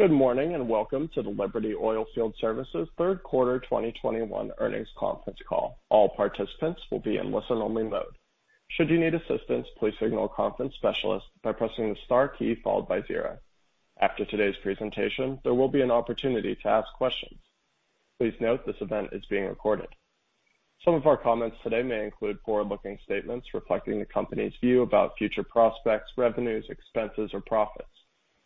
Good morning, and welcome to The Liberty Oilfield Services Q3 2021 Earnings Conference Call. All participants will be in listen-only mode. Should you need assistance, please signal a conference specialist by pressing the star key followed by zero. After today's presentation, there will be an opportunity to ask questions. Please note this event is being recorded. Some of our comments today may include forward-looking statements reflecting the company's view about future prospects, revenues, expenses, or profits.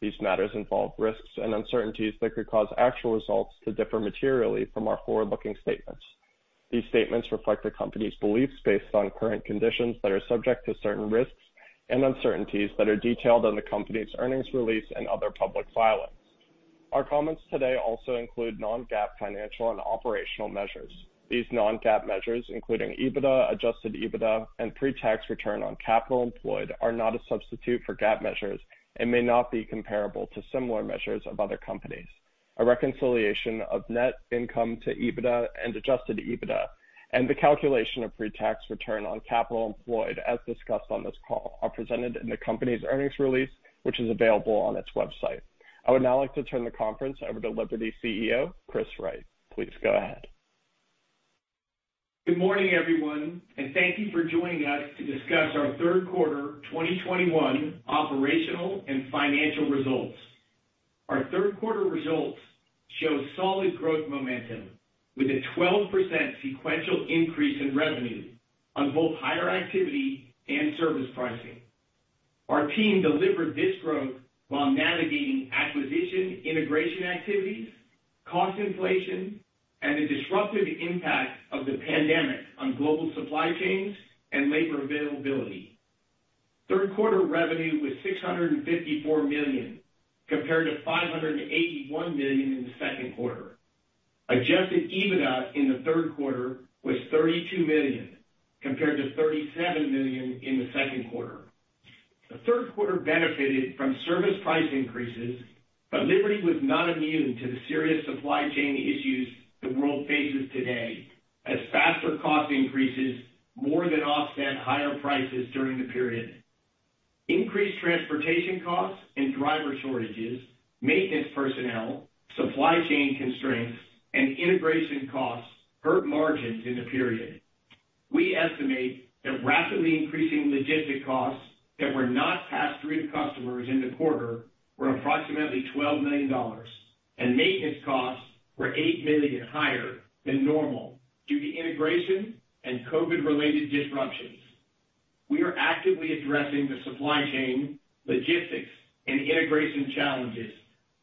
These matters involve risks and uncertainties that could cause actual results to differ materially from our forward-looking statements. These statements reflect the company's beliefs based on current conditions that are subject to certain risks and uncertainties that are detailed in the company's earnings release and other public filings. Our comments today also include non-GAAP financial and operational measures. These non-GAAP measures, including EBITDA, adjusted EBITDA, and pre-tax return on capital employed, are not a substitute for GAAP measures and may not be comparable to similar measures of other companies. A reconciliation of net income to EBITDA and adjusted EBITDA and the calculation of pre-tax return on capital employed, as discussed on this call, are presented in the company's earnings release, which is available on its website. I would now like to turn the conference over to Liberty's CEO, Chris Wright. Please go ahead. Good morning, everyone, and thank you for joining us to discuss our Q3 2021 Operational and Financial Results. Our Q3 results show solid growth momentum with a 12% sequential increase in revenue on both higher activity and service pricing. Our team delivered this growth while navigating acquisition, integration activities, cost inflation, and the disruptive impact of the pandemic on global supply chains and labor availability. Q3 revenue was $654 million, compared to $581 million in the Q2. Adjusted EBITDA in the Q3 was $32 million, compared to $37 million in the Q2. The Q3 benefited from service price increases, but Liberty was not immune to the serious supply chain issues the world faces today, as faster cost increases more than offset higher prices during the period. Increased transportation costs and driver shortages, maintenance personnel, supply chain constraints, and integration costs hurt margins in the period. We estimate that rapidly increasing logistics costs that were not passed through to customers in the quarter were approximately $12 million, and maintenance costs were $8 million higher than normal due to integration and COVID-related disruptions. We are actively addressing the supply chain, logistics, and integration challenges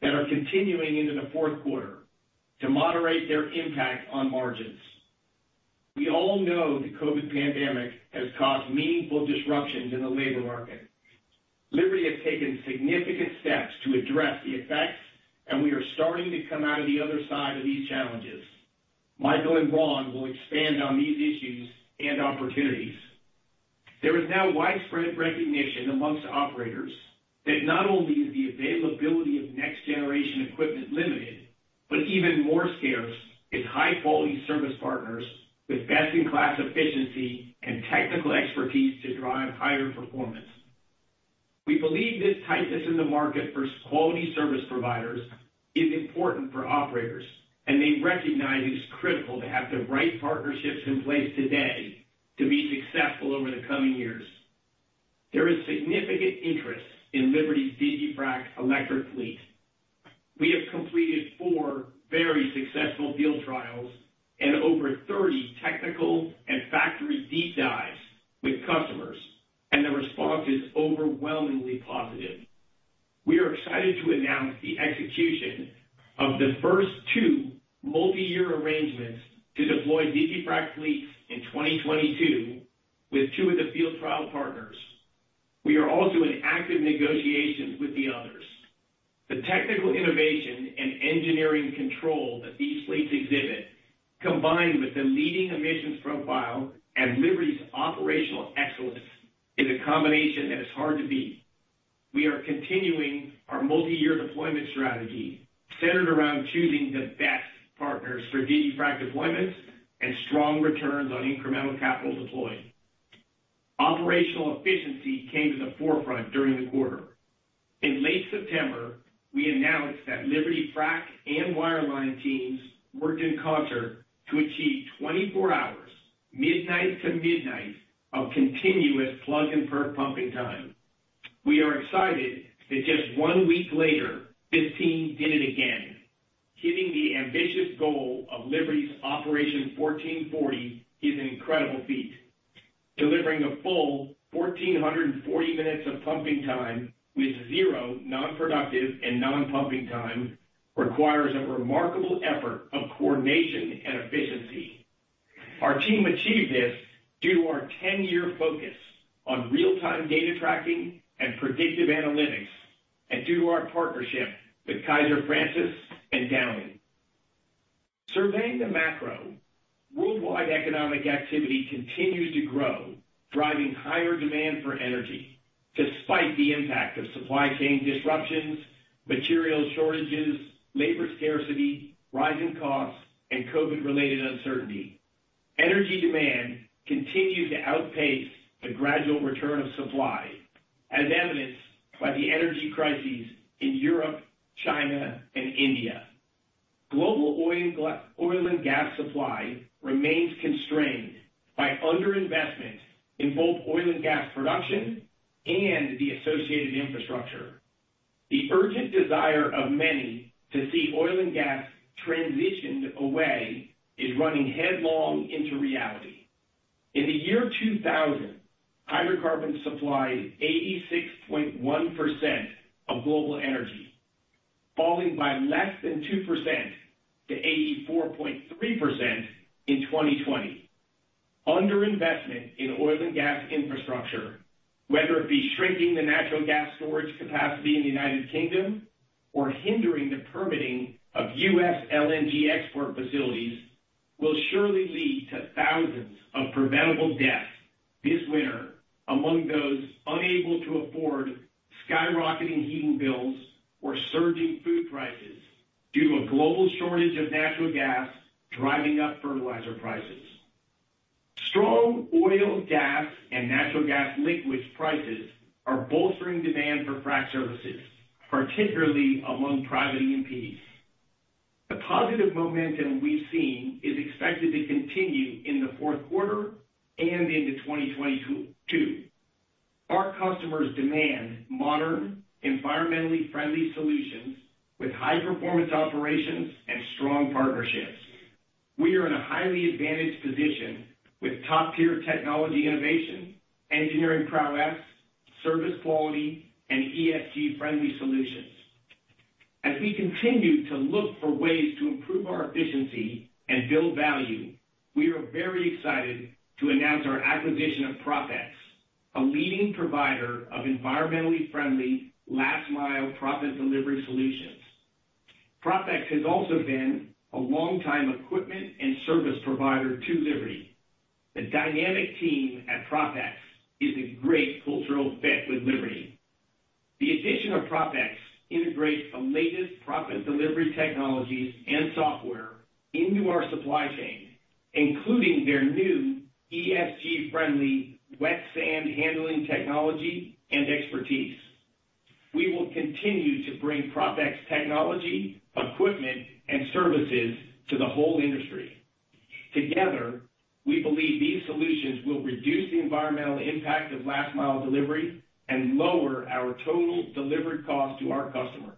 that are continuing into the Q4 to moderate their impact on margins. We all know the COVID pandemic has caused meaningful disruptions in the labor market. Liberty has taken significant steps to address the effects, and we are starting to come out of the other side of these challenges. Michael and Ron will expand on these issues and opportunities. There is now widespread recognition among operators that not only is the availability of next-generation equipment limited, but even more scarce is high-quality service partners with best-in-class efficiency and technical expertise to drive higher performance. We believe this tightness in the market for quality service providers is important for operators, and they recognize it is critical to have the right partnerships in place today to be successful over the coming years. There is significant interest in Liberty's DigiFrac electric fleet. We have completed four very successful field trials and over 30 technical and factory deep dives with customers, and the response is overwhelmingly positive. We are excited to announce the execution of the first two multiyear arrangements to deploy DigiFrac fleets in 2022 with two of the field trial partners. We are also in active negotiations with the others. The technical innovation and engineering control that these fleets exhibit, combined with the leading emissions profile and Liberty's operational excellence, is a combination that is hard to beat. We are continuing our multiyear deployment strategy centered around choosing the best partners for digiFrac deployments and strong returns on incremental capital deployed. Operational efficiency came to the forefront during the quarter. In late September, we announced that Liberty Frac and wireline teams worked in concert to achieve 24 hours, midnight to midnight, of continuous plug and perf pumping time. We are excited that just one week later, this team did it again. Hitting the ambitious goal of Liberty's Operation 1440 is an incredible feat. Delivering a full 1,440 minutes of pumping time with zero non-productive and non-pumping time requires a remarkable effort of coordination and efficiency. Our team achieved this due to our 10-year focus on real-time data tracking and predictive analytics and due to our partnership with Kaiser-Francis and Downing. Surveying the macro, worldwide economic activity continues to grow, driving higher demand for energy despite the impact of supply chain disruptions, material shortages, labor scarcity, rising costs, and COVID-related uncertainty. Energy demand continues to outpace the gradual return of supply, as evidenced by the energy crises in Europe, China and India. Global oil and gas supply remains constrained by under-investment in both oil and gas production and the associated infrastructure. The urgent desire of many to see oil and gas transitioned away is running headlong into reality. In the year 2000, hydrocarbon supplied 86.1% of global energy, falling by less than 2% to 84.3% in 2020. Under-investment in oil and gas infrastructure, whether it be shrinking the natural gas storage capacity in the U.K. or hindering the permitting of U.S. LNG export facilities, will surely lead to thousands of preventable deaths this winter among those unable to afford skyrocketing heating bills or surging food prices due to a global shortage of natural gas driving up fertilizer prices. Strong oil, gas and natural gas liquids prices are bolstering demand for frac services, particularly among private E&Ps. The positive momentum we've seen is expected to continue in the Q4 and into 2022. Our customers demand modern, environmentally friendly solutions with high performance operations and strong partnerships. We are in a highly advantaged position with top-tier technology innovation, engineering prowess, service quality, and ESG-friendly solutions. As we continue to look for ways to improve our efficiency and build value, we are very excited to announce our acquisition of PropX, a leading provider of environmentally friendly last-mile proppant delivery solutions. PropX has also been a long-time equipment and service provider to Liberty. The dynamic team at PropX is a great cultural fit with Liberty. The addition of PropX integrates the latest proppant delivery technologies and software into our supply chain, including their new ESG-friendly wet sand handling technology and expertise. We will continue to bring PropX technology, equipment and services to the whole industry. Together, we believe these solutions will reduce the environmental impact of last-mile delivery and lower our total delivered cost to our customers.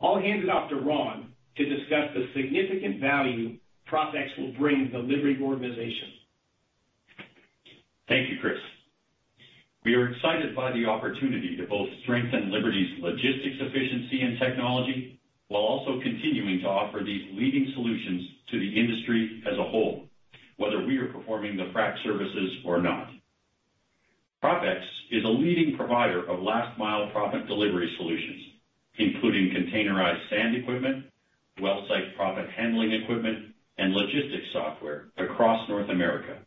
I'll hand it off to Ron to discuss the significant value PropX will bring to the Liberty organization. Thank you, Chris. We are excited by the opportunity to both strengthen Liberty's logistics efficiency and technology while also continuing to offer these leading solutions to the industry as a whole, whether we are performing the frac services or not. PropX is a leading provider of last mile proppant delivery solutions, including containerized sand equipment, well site proppant handling equipment, and logistics software across North America.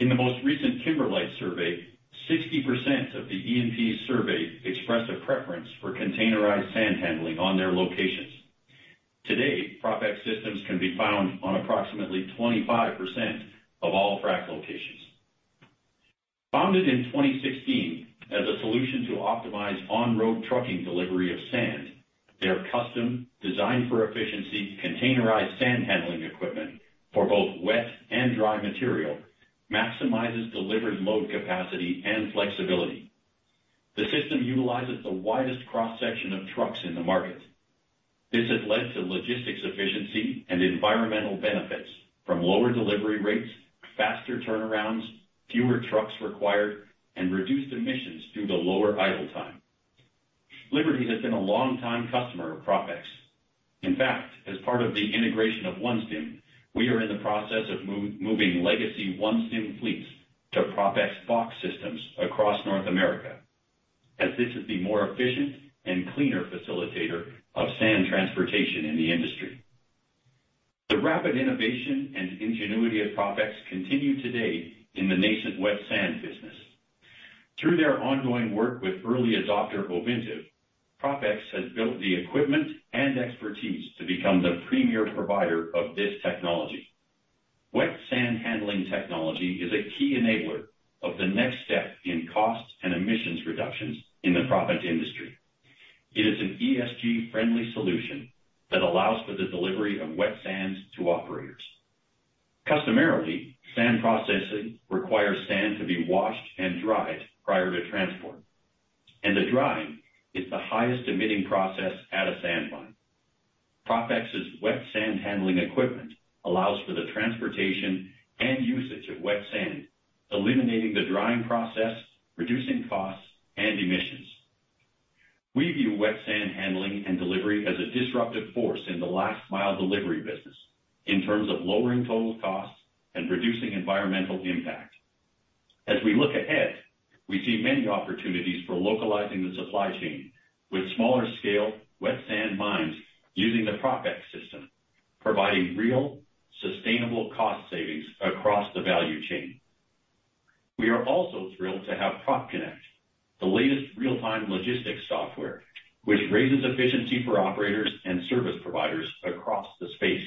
In the most recent Kimberlite survey, 60% of the E&Ps surveyed expressed a preference for containerized sand handling on their locations. Today, PropX systems can be found on approximately 25% of all frac locations. Founded in 2016 as a solution to optimize on-road trucking delivery of sand, their custom designed for efficiency, containerized sand handling equipment for both wet and dry material maximizes delivered load capacity and flexibility. The system utilizes the widest cross-section of trucks in the market. This has led to logistics efficiency and environmental benefits from lower delivery rates, faster turnarounds, fewer trucks required, and reduced emissions due to lower idle time. Liberty has been a long time customer of PropX. In fact, as part of the integration of OneStim, we are in the process of moving legacy OneStim fleets to PropX box systems across North America, as this is the more efficient and cleaner facilitator of sand transportation in the industry. The rapid innovation and ingenuity of PropX continue today in the nascent wet sand business. Through their ongoing work with early adopter Ovintiv, PropX has built the equipment and expertise to become the premier provider of this technology. Wet sand handling technology is a key enabler of the next step in cost and emissions reductions in the proppant industry. It is an ESG friendly solution that allows for the delivery of wet sands to operators. Customarily, sand processing requires sand to be washed and dried prior to transport, and the drying is the highest emitting process at a sand mine. PropX's wet sand handling equipment allows for the transportation and usage of wet sand, eliminating the drying process, reducing costs and emissions. We view wet sand handling and delivery as a disruptive force in the last mile delivery business in terms of lowering total costs and reducing environmental impact. As we look ahead, we see many opportunities for localizing the supply chain with smaller scale wet sand mines using the PropX system, providing real sustainable cost savings across the value chain. We are also thrilled to have PropConnect, the latest real-time logistics software, which raises efficiency for operators and service providers across the space.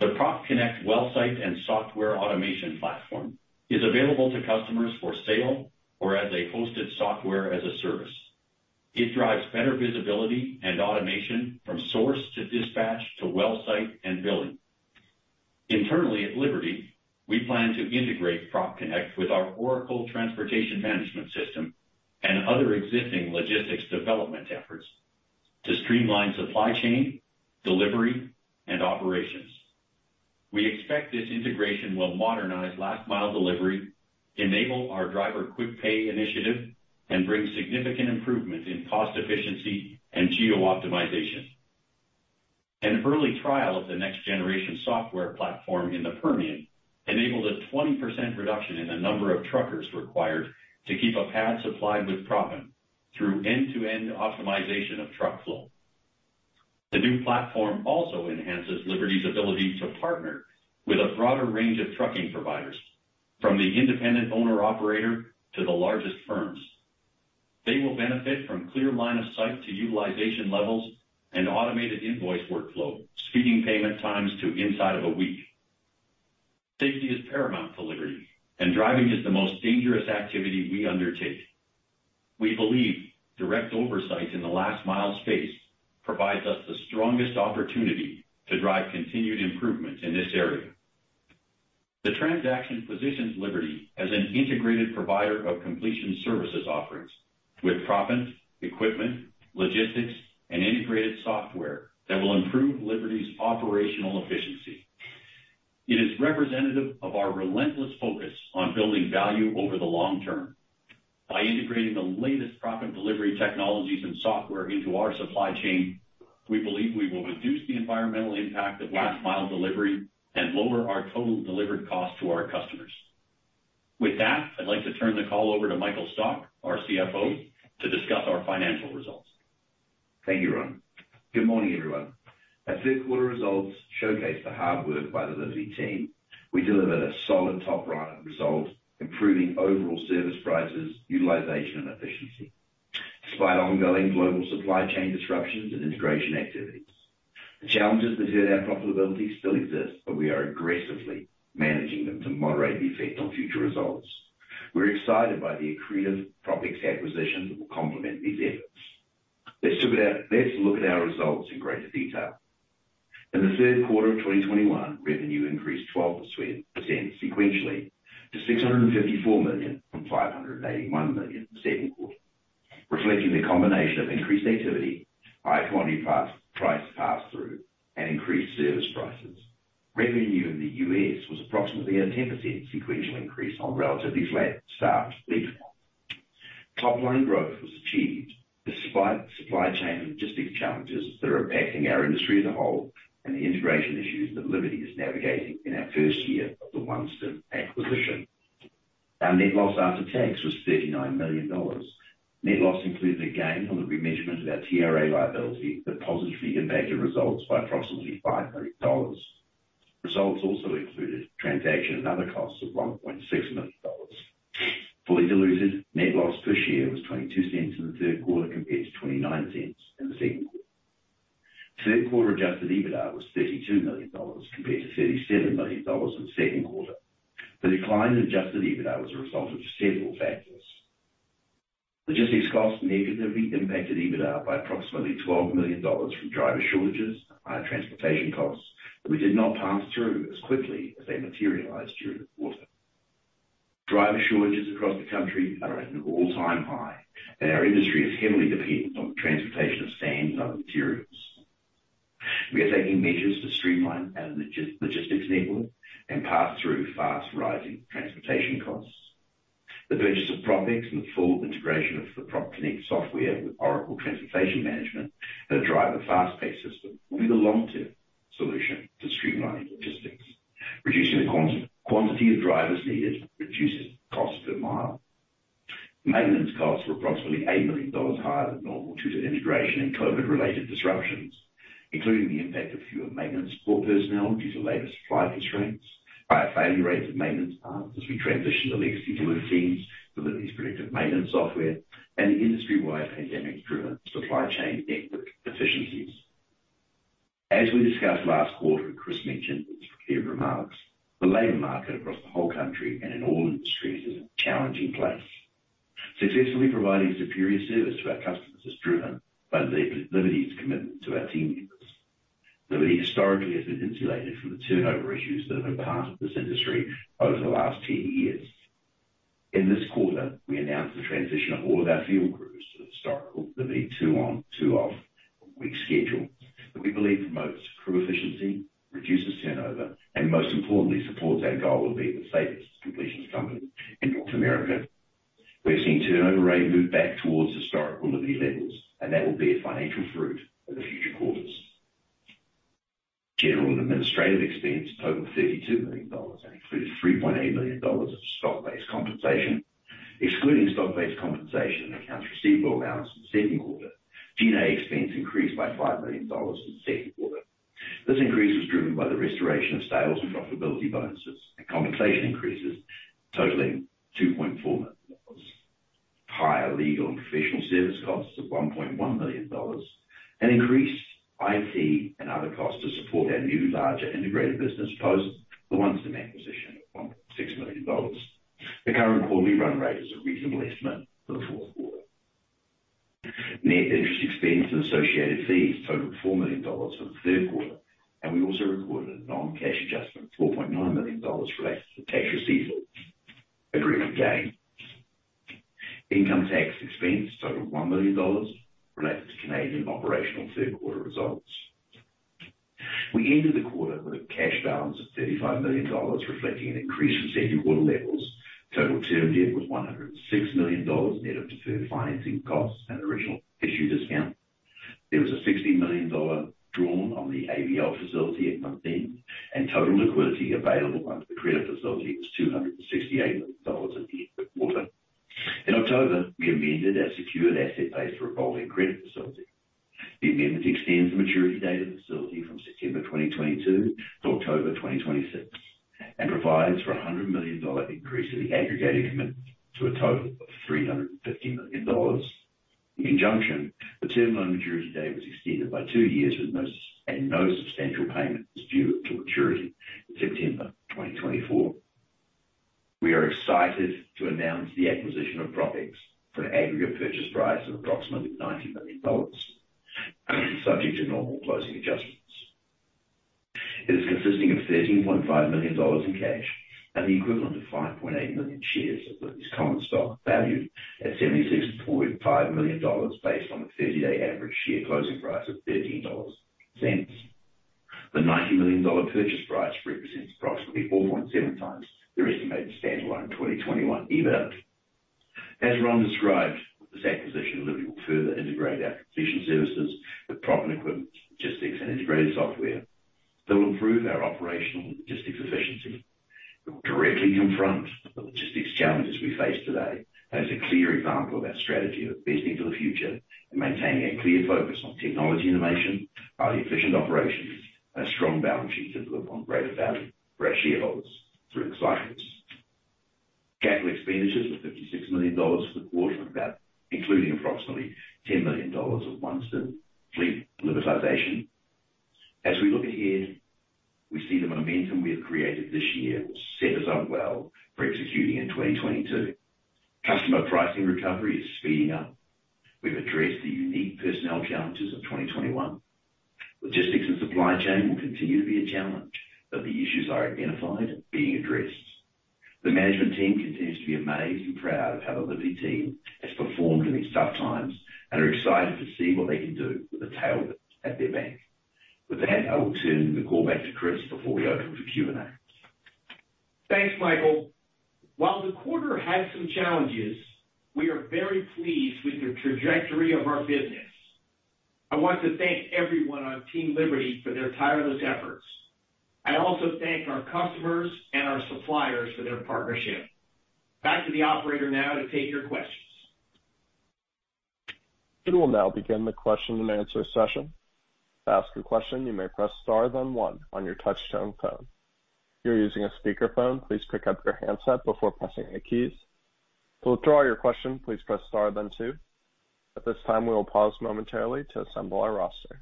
The PropConnect well site and software automation platform is available to customers for sale or as a hosted software as a service. It drives better visibility and automation from source to dispatch to well site and billing. Internally at Liberty, we plan to integrate PropConnect with our Oracle Transportation Management system and other existing logistics development efforts to streamline supply chain, delivery, and operations. We expect this integration will modernize last mile delivery, enable our driver quick pay initiative, and bring significant improvements in cost efficiency and geo-optimization. An early trial of the next generation software platform in the Permian enabled a 20% reduction in the number of truckers required to keep a pad supplied with proppant through end-to-end optimization of truck flow. The new platform also enhances Liberty's ability to partner with a broader range of trucking providers, from the independent owner operator to the largest firms. They will benefit from clear line of sight to utilization levels and automated invoice workflow, speeding payment times to inside of a week. Safety is paramount for Liberty, and driving is the most dangerous activity we undertake. We believe direct oversight in the last mile space provides us the strongest opportunity to drive continued improvement in this area. The transaction positions Liberty as an integrated provider of completion services offerings with proppants, equipment, logistics and integrated software that will improve Liberty's operational efficiency. It is representative of our relentless focus on building value over the long term. By integrating the latest proppant delivery technologies and software into our supply chain, we believe we will reduce the environmental impact of last mile delivery and lower our total delivered cost to our customers. With that, I'd like to turn the call over to Michael Stock, our CFO, to discuss our financial results. Thank you, Ron. Good morning, everyone. Our Q3 results showcase the hard work by the Liberty team. We delivered a solid top line result, improving overall service prices, utilization, and efficiency despite ongoing global supply chain disruptions and integration activities. The challenges that hurt our profitability still exist, but we are aggressively managing them to moderate the effect on future results. We're excited by the accretive PropX acquisitions that will complement these efforts. Let's look at our results in greater detail. In the Q3 of 2021, revenue increased 12% sequentially to $654 million from $581 million the second quarter, reflecting the combination of increased activity, high quantity pass-through, price pass-through, and increased service prices. Revenue in the U.S. was approximately a 10% sequential increase on relatively flat staffed fleet. Top line growth was achieved despite supply chain logistics challenges that are impacting our industry as a whole and the integration issues that Liberty is navigating in our first year of the OneStim acquisition. Our net loss after tax was $39 million. Net loss included a gain on the remeasurement of our TRA liability that positively impacted results by approximately $500. Results also included transaction and other costs of $1.6 million. Fully diluted net loss per share was $0.22 in the Q3 compared to $0.29 in the second quarter. Q3 Adjusted EBITDA was $32 million compared to $37 million in the Q2. The decline in Adjusted EBITDA was a result of several factors. Logistics costs negatively impacted EBITDA by approximately $12 million from driver shortages, higher transportation costs that we did not pass through as quickly as they materialized during the quarter. Driver shortages across the country are at an all-time high, and our industry is heavily dependent on the transportation of sand and other materials. We are taking measures to streamline our logistics network and pass through fast rising transportation costs. The purchase of PropX and the full integration of the PropConnect software with Oracle Transportation Management that drive a fast-paced system will be the long-term solution to streamlining logistics, reducing the quantity of drivers needed, reducing cost per mile. Maintenance costs were approximately $8 million higher than normal due to integration and COVID-related disruptions, including the impact of fewer maintenance support personnel due to labor supply constraints, higher failure rates of maintenance parts as we transition the legacy delivery teams to Liberty's predictive maintenance software and the industry-wide pandemic-driven supply chain inefficiencies. As we discussed last quarter, and Chris mentioned in his prepared remarks, the labor market across the whole country and in all industries is a challenging place. Successfully providing superior service to our customers is driven by Liberty's commitment to our team members. Liberty historically has been insulated from the turnover issues that have been part of this industry over the last 10 years. In this quarter, we announced the transition of all of our field crews to the historical Liberty two on, two off week schedule that we believe promotes crew efficiency, reduces turnover, and most importantly, supports our goal of being the safest completions company in North America. We've seen turnover rate move back towards historical Liberty levels, and that will be a financial fruit in the future quarters. General and administrative expense totaled $32 million and included $3.8 million of stock-based compensation. Excluding stock-based compensation and accounts receivable balance in the second quarter, G&A expense increased by $5 million in the Q2. This increase was driven by the restoration of sales and profitability bonuses and compensation increases totaling $2.4 million, higher legal and professional service costs of $1.1 million, and increased Customer pricing recovery is speeding up. We've addressed the unique personnel challenges of 2021. Logistics and supply chain will continue to be a challenge, but the issues are identified and being addressed. The management team continues to be amazed and proud of how the Liberty team has performed during these tough times and are excited to see what they can do with the tailwind at their back. With that, I will turn the call back to Chris before we open for Q&A. Thanks, Michael. While the quarter had some challenges, we are very pleased with the trajectory of our business. I want to thank everyone on Team Liberty for their tireless efforts. I also thank our customers and our suppliers for their partnership. Back to the operator now to take your questions. We will now begin the question-and-answer session. To ask a question, you may press star then one on your touchtone phone. If you are using a speakerphone, please pick up your handset before pressing any keys. To withdraw your question, please press star then two. At this time, we will pause momentarily to assemble our roster.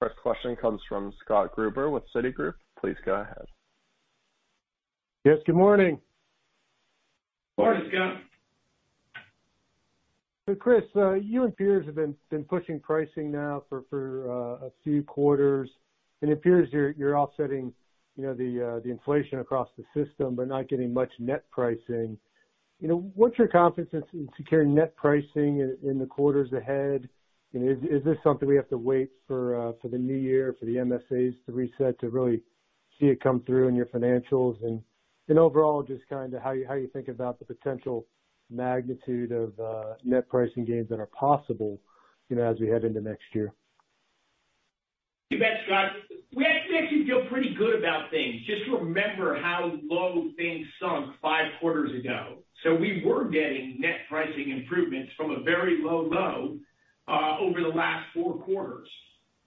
First question comes from Scott Gruber with Citigroup. Please go ahead. Yes, good morning. Morning, Scott. Chris, you and peers have been pushing pricing now for a few quarters, and it appears you're offsetting, you know, the inflation across the system but not getting much net pricing. You know, what's your confidence in securing net pricing in the quarters ahead? Is this something we have to wait for the new year for the MSAs to reset to really see it come through in your financials? Overall, just kind of how you think about the potential magnitude of net pricing gains that are possible, you know, as we head into next year. You bet, Scott. We actually feel pretty good about things. Just remember how low things sunk five quarters ago. We were getting net pricing improvements from a very low low over the last four quarters.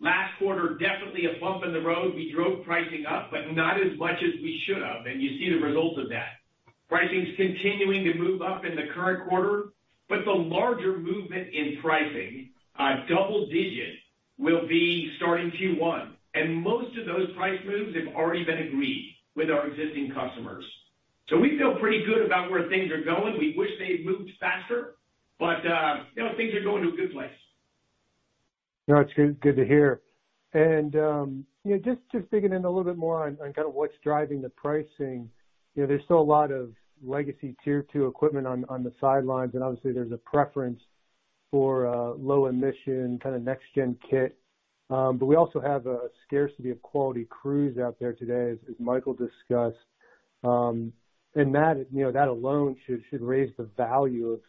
Last quarter, definitely a bump in the road. We drove pricing up, but not as much as we should have, and you see the result of that. Pricing is continuing to move up in the current quarter, but the larger movement in pricing double digits will be starting Q1. Most of those price moves have already been agreed with our existing customers. We feel pretty good about where things are going. We wish they had moved faster, but you know, things are going to a good place. No, it's good to hear. You know, just digging in a little bit more on kind of what's driving the pricing. You know, there's still a lot of legacy Tier 2 equipment on the sidelines, and obviously there's a preference for low emission kind of next-gen kit. But we also have a scarcity of quality crews out there today, as Michael discussed. That, you know, that alone should raise the value of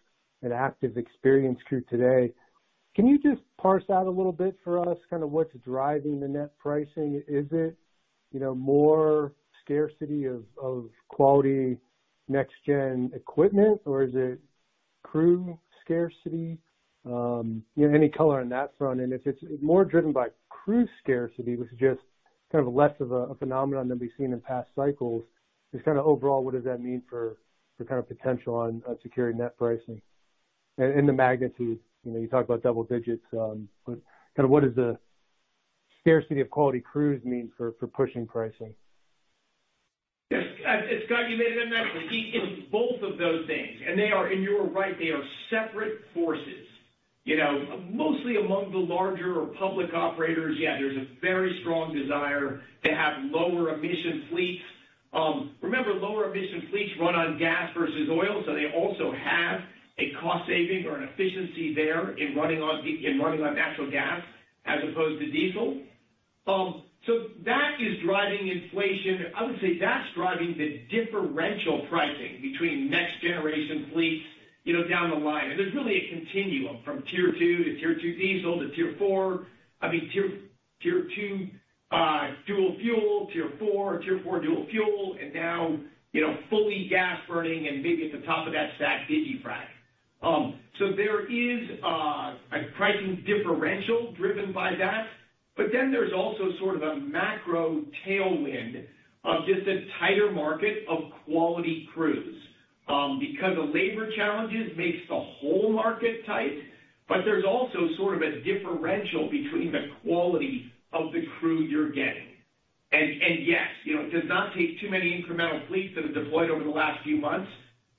an active experienced crew today. Can you just parse out a little bit for us kind of what's driving the net pricing? Is it, you know, more scarcity of quality next gen equipment, or is it crew scarcity? You know, any color on that front. And if it's more driven by crew scarcity, which is just kind of less of a phenomenon than we've seen in past cycles, just kind of overall, what does that mean for kind of potential on securing net pricing and the magnitude. You know, you talk about double digits, but kind of what is the scarcity of quality crews mean for pushing pricing? Yes. It's Scott, you made a good mention. It's both of those things, and you are right, they are separate forces. You know, mostly among the larger public operators, yeah, there's a very strong desire to have lower emission fleets. Remember, lower emission fleets run on gas versus oil, so they also have a cost saving or an efficiency there in running on natural gas as opposed to diesel. So that is driving inflation. I would say that's driving the differential pricing between next generation fleets, you know, down the line. There's really a continuum from Tier 2 to Tier 2 diesel to Tier 4. Tier 2 dual fuel, Tier 4, Tier 4 dual fuel, and now, you know, fully gas burning and maybe at the top of that stack digiFrac. There is a pricing differential driven by that. There's also sort of a macro tailwind of just a tighter market of quality crews, because the labor challenges makes the whole market tight. There's also sort of a differential between the quality of the crew you're getting. Yes, you know, it does not take too many incremental fleets that have deployed over the last few months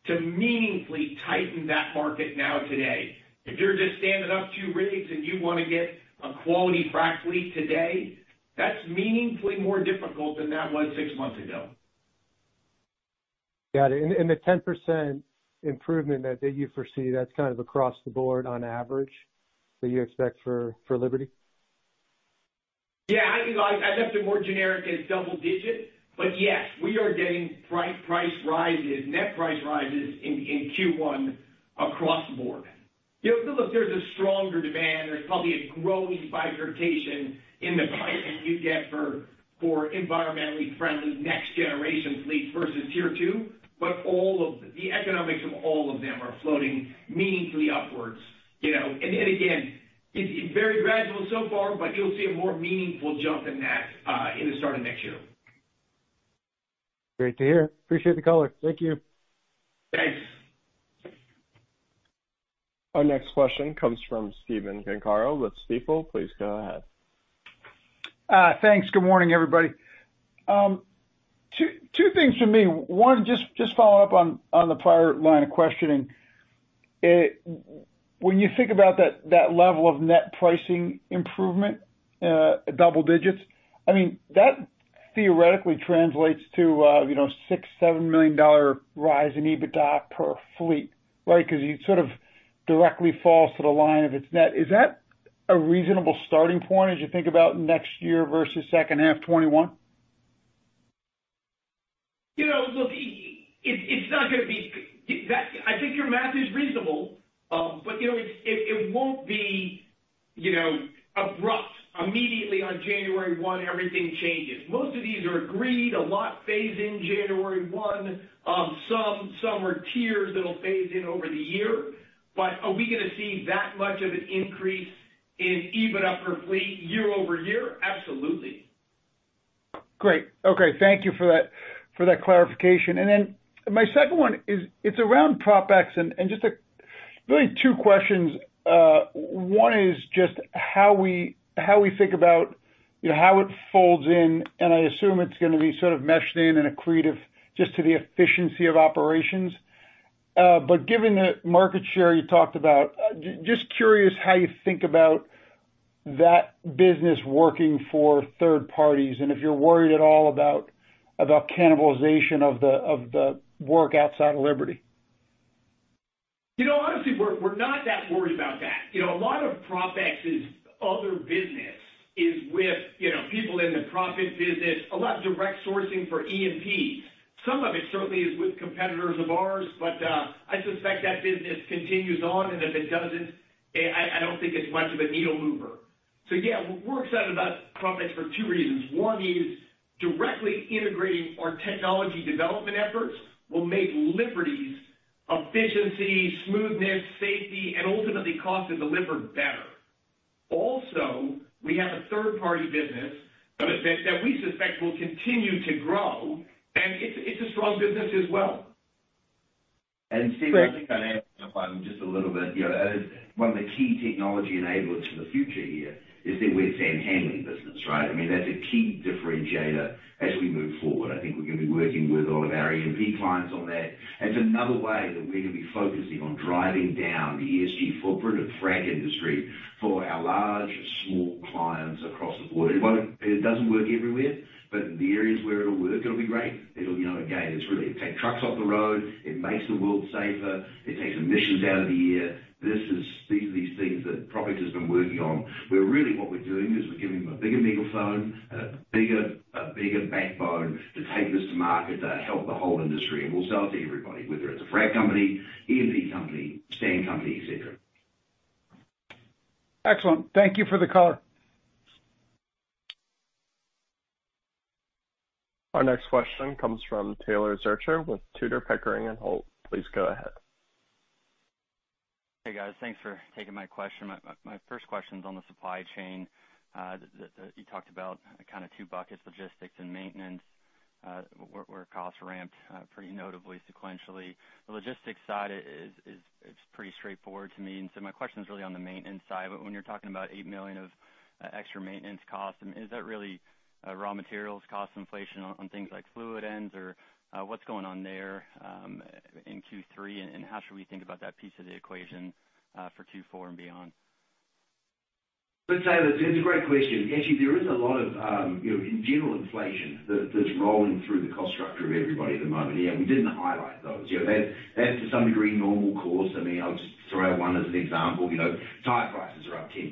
to meaningfully tighten that market now today. If you're just standing up two rigs and you wanna get a quality frac fleet today, that's meaningfully more difficult than that was six months ago. Got it. The 10% improvement that you foresee, that's kind of across the board on average that you expect for Liberty? Yeah. I mean, like, I left it more generic as double digit, but yes, we are getting price rises, net price rises in Q1 across the board. You know, look, there's a stronger demand. There's probably a growing bifurcation in the pricing you get for environmentally friendly next generation fleets versus Tier 2. All of the economics of all of them are floating meaningfully upwards, you know. Then again, it's very gradual so far, but you'll see a more meaningful jump in that in the start of next year. Great to hear. Appreciate the color. Thank you. Thanks. Our next question comes from Stephen Gengaro with Stifel. Please go ahead. Thanks. Good morning, everybody. Two things from me. One, just following up on the prior line of questioning. When you think about that level of net pricing improvement, double digits, I mean, that theoretically translates to, you know, $6 to 7 million rise in EBITDA per fleet, right? 'Cause it sort of directly falls to the bottom line, net. Is that a reasonable starting point as you think about next year versus second half 2021? You know, look, it's not gonna be. I think your math is reasonable, but you know, it won't be, you know, abrupt. Immediately on January 1, everything changes. Most of these are agreed, a lot phase in January 1. Some are tiers that'll phase in over the year. Are we gonna see that much of an increase in EBITDA per fleet YoY? Absolutely. Great. Okay, thank you for that clarification. Then my second one is it's around PropX and just, like, really two questions. One is just how we think about, you know, how it folds in, and I assume it's gonna be sort of meshed in and accretive just to the efficiency of operations. But given the market share you talked about, just curious how you think about that business working for third parties, and if you're worried at all about cannibalization of the work outside of Liberty. You know, honestly, we're not that worried about that. You know, a lot of PropX's other business is with, you know, people in the proppant business, a lot of direct sourcing for E&P. Some of it certainly is with competitors of ours, but I suspect that business continues on, and if it doesn't, I don't think it's much of a needle mover. Yeah, we're excited about PropX for two reasons. One is directly integrating our technology development efforts will make Liberty's efficiency, smoothness, safety, and ultimately cost to deliver better. Also, we have a third-party business that we suspect will continue to grow, and it's a strong business as well. Thanks. Stephen, I think I'd add to that point just a little bit. You know, as one of the key technology enablers for the future here is the wet sand handling business, right? I mean, that's a key differentiator as we move forward. I think we're gonna be working with all of our E&P clients on that. That's another way that we're gonna be focusing on driving down the ESG footprint of frac industry for our large, small clients across the board. It doesn't work everywhere, but in the areas where it'll work, it'll be great. It'll, you know, again, it really takes trucks off the road, it makes the world safer, it takes emissions out of the air. These are these things that PropX has been working on, where really what we're doing is we're giving them a bigger megaphone, a bigger backbone to take this to market to help the whole industry. We'll sell it to everybody, whether it's a frac company, E&P company, sand company, et cetera. Excellent. Thank you for the color. Our next question comes from Taylor Zurcher with Tudor, Pickering, Holt & Co. Please go ahead. Hey, guys. Thanks for taking my question. My first question is on the supply chain, that you talked about kind of two buckets, logistics and maintenance, where costs ramped pretty notably sequentially. The logistics side is, it's pretty straightforward to me. My question is really on the maintenance side, but when you're talking about $8 million of extra maintenance costs, is that really raw materials cost inflation on things like fluid ends? Or, what's going on there in Q3? And how should we think about that piece of the equation for Q4 and beyond? Taylor, it's a great question. Actually, there is a lot of, you know, in general inflation that's rolling through the cost structure of everybody at the moment. Yeah, we didn't highlight those. You know, that's to some degree normal course. I mean, I'll just throw out one as an example. You know, tire prices are up 10%,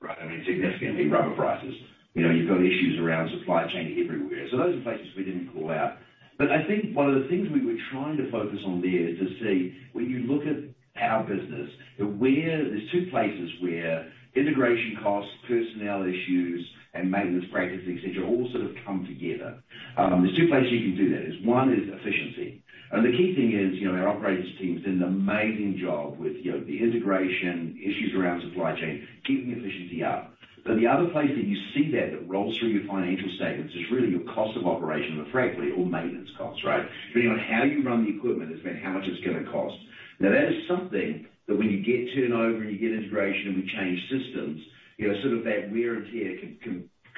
right? I mean, significantly, rubber prices. You know, you've got issues around supply chain everywhere. So those are places we didn't call out. But I think one of the things we were trying to focus on there to see when you look at our business, where there's two places where integration costs, personnel issues, and maintenance practices, et cetera, all sort of come together. There's two places you can do that. One is efficiency. The key thing is, you know, our operations team's doing an amazing job with, you know, the integration issues around supply chain, keeping efficiency up. The other place that you see that rolls through your financial statements is really your cost of operation, but frankly, all maintenance costs, right? Depending on how you run the equipment is how much it's gonna cost. Now, that is something that when you get turnover and you get integration and we change systems, you know, sort of that wear and tear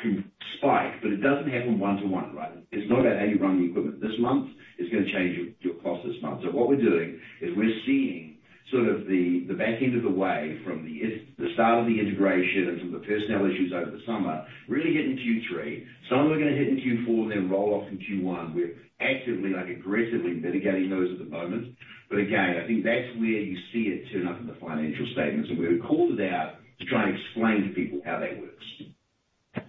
can spike, but it doesn't happen one to one, right? It's not about how you run the equipment this month is gonna change your cost this month. What we're doing is we're seeing sort of the back end of the wave from the start of the integration and some of the personnel issues over the summer, really hit in Q3. Some of them are gonna hit in Q4, then roll off in Q1. We're actively, like, aggressively mitigating those at the moment. But again, I think that's where you see it turn up in the financial statements. We called it out to try and explain to people how that works. All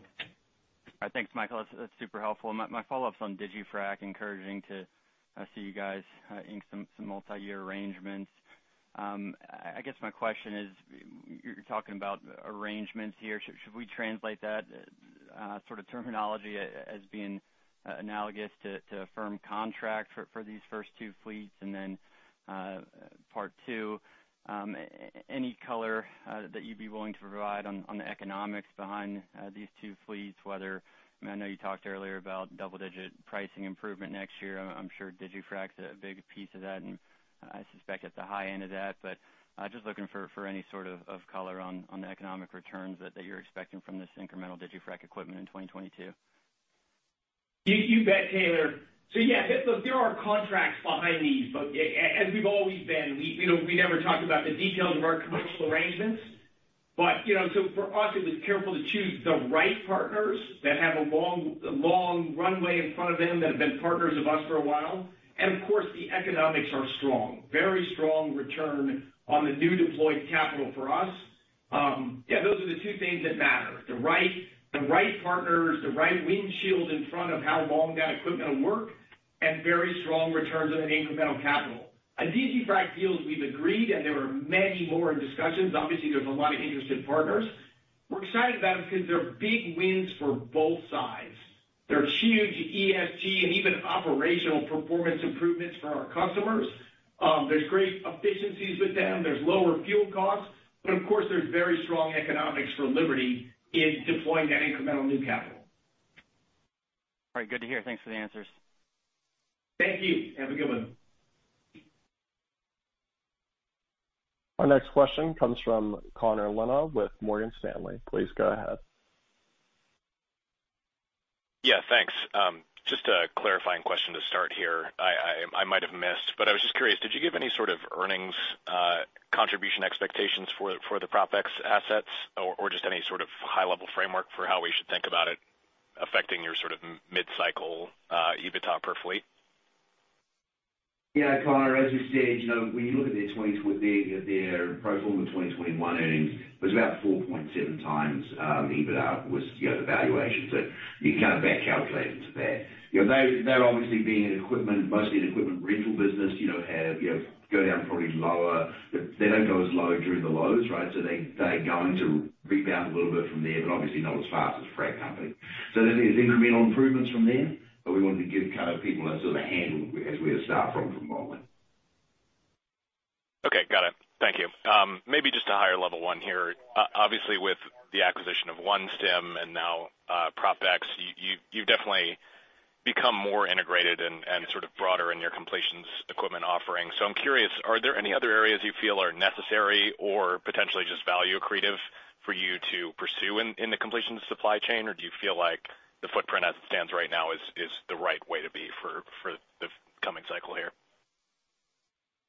right, thanks, Michael. That's super helpful. My follow-up's on digiFrac, encouraging to see you guys ink some multiyear arrangements. I guess my question is, you're talking about arrangements here. Should we translate that sort of terminology as being analogous to a firm contract for these first two fleets? Then, part two, any color that you'd be willing to provide on the economics behind these two fleets. I know you talked earlier about double-digit pricing improvement next year. I'm sure digiFrac's a big piece of that, and I suspect at the high end of that. Just looking for any sort of color on the economic returns that you're expecting from this incremental digiFrac equipment in 2022. You bet, Taylor. Yeah, there are contracts behind these, but as we've always been, you know, we never talk about the details of our commercial arrangements. You know, for us, we were careful to choose the right partners that have a long runway in front of them that have been partners of us for a while. Of course, the economics are strong. Very strong return on the new deployed capital for us. Yeah, those are the two things that matter, the right partners, the right runway in front of how long that equipment will work, and very strong returns on an incremental capital. On digiFrac deals we've agreed, and there are many more in discussions. Obviously, there's a lot of interest from partners. We're excited about them because they're big wins for both sides. They're huge ESG and even operational performance improvements for our customers. There's great efficiencies with them. There's lower fuel costs, but of course, there's very strong economics for Liberty in deploying that incremental new capital. All right, good to hear. Thanks for the answers. Thank you. Have a good one. Our next question comes from Connor Lynagh with Morgan Stanley. Please go ahead. Yeah, thanks. Just a clarifying question to start here. I might have missed, but I was just curious, did you give any sort of earnings contribution expectations for the PropX assets or just any sort of high-level framework for how we should think about it affecting your sort of mid-cycle EBITDA per fleet? Yeah, Connor, as we said, you know, when you look at their pro forma 2021 earnings was about 4.7x EBITDA, you know, the valuation. You kind of back calculate it to that. You know, they're obviously being an equipment, mostly an equipment rental business, you know, go down probably lower. They don't go as low during the lows, right? They're going to rebound a little bit from there, but obviously not as fast as frac company. There's incremental improvements from there, but we wanted to give kind of people a sort of handle on where to start from the bottom line. Okay, got it. Thank you. Maybe just a higher level one here. Obviously, with the acquisition of OneStim and now PropX, you've definitely become more integrated and sort of broader in your completions equipment offering. So I'm curious, are there any other areas you feel are necessary or potentially just value accretive for you to pursue in the completions supply chain? Or do you feel like the footprint as it stands right now is the right way to be for the coming cycle here?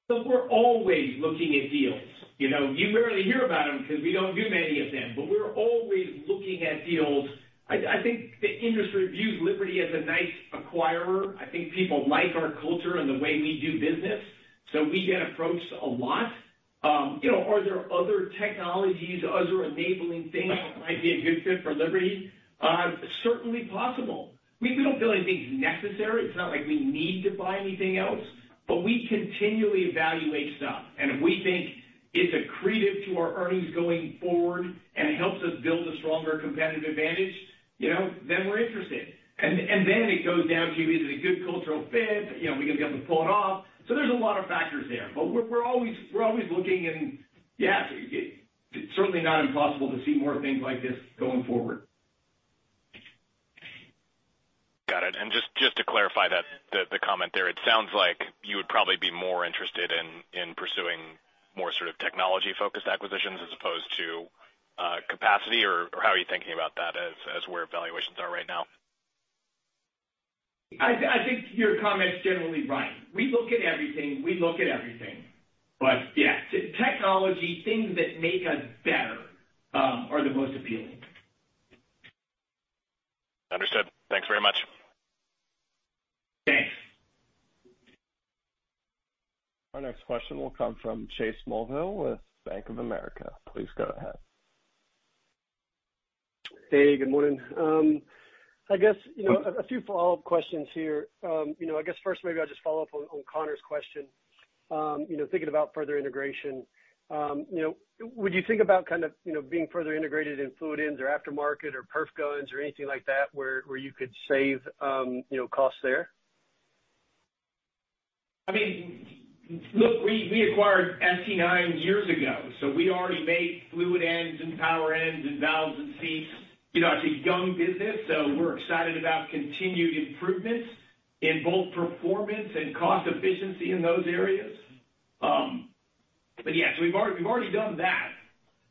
We're always looking at deals. You know, you rarely hear about them because we don't do many of them, but we're always looking at deals. I think the industry views Liberty as a nice acquirer. I think people like our culture and the way we do business, so we get approached a lot. You know, are there other technologies, other enabling things that might be a good fit for Liberty? Certainly possible. I mean, we don't feel anything is necessary. It's not like we need to buy anything else, but we continually evaluate stuff. If we think it's accretive to our earnings going forward and it helps us build a stronger competitive advantage, you know, then we're interested. Then it goes down to is it a good cultural fit? You know, are we gonna be able to pull it off? There's a lot of factors there. We're always looking and yeah, it's certainly not impossible to see more things like this going forward. Got it. Just to clarify that, the comment there, it sounds like you would probably be more interested in pursuing more sort of technology-focused acquisitions as opposed to capacity, or how are you thinking about that as where valuations are right now? I think your comment is generally right. We look at everything. Yeah, technology, things that make us better, are the most appealing. Understood. Thanks very much. Thanks. Our next question will come from Chase Mulvehill with Bank of America. Please go ahead. Hey, good morning. I guess, you know, a few follow-up questions here. You know, I guess first, maybe I'll just follow up on Connor's question, you know, thinking about further integration. You know, would you think about kind of, you know, being further integrated in fluid ends or aftermarket or perf guns or anything like that, where you could save, you know, costs there? I mean, look, we acquired ST9 years ago, so we already made fluid ends and power ends and valves and seats. You know, it's a young business, so we're excited about continued improvements in both performance and cost efficiency in those areas. We've already done that.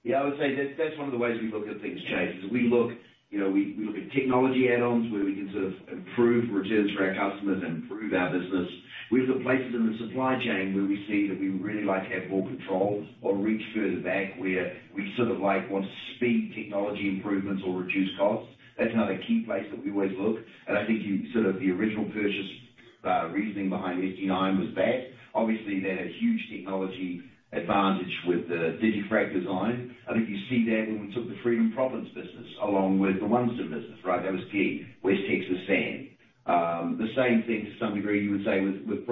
Yeah, I would say that that's one of the ways we look at things, Chase, is we look, you know, at technology add-ons where we can sort of improve returns for our customers and improve our business. We've got places in the supply chain where we see that we'd really like to have more control or reach further back where we sort of like want to speed technology improvements or reduce costs. That's another key place that we always look. I think you sort of the original purchase reasoning behind ST9 was that. Obviously, they had a huge technology advantage with the digiFrac design. I think you see that when we took the Freedom Proppant business along with the Lunsden business, right? That was key, West Texas Sand. The same thing to some degree you would say with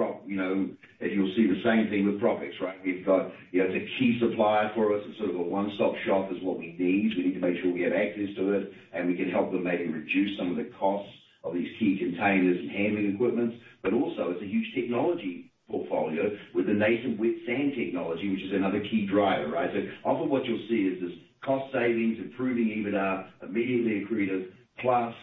PropX, right? We've got, you know, it's a key supplier for us. It's sort of a one-stop shop is what we need. We need to make sure we have access to it and we can help them maybe reduce some of the costs of these key containers and handling equipment. But also, it's a huge technology portfolio with the native wet sand technology, which is another key driver, right? So often what you'll see is this cost savings, improving EBITDA, immediately accretive, plus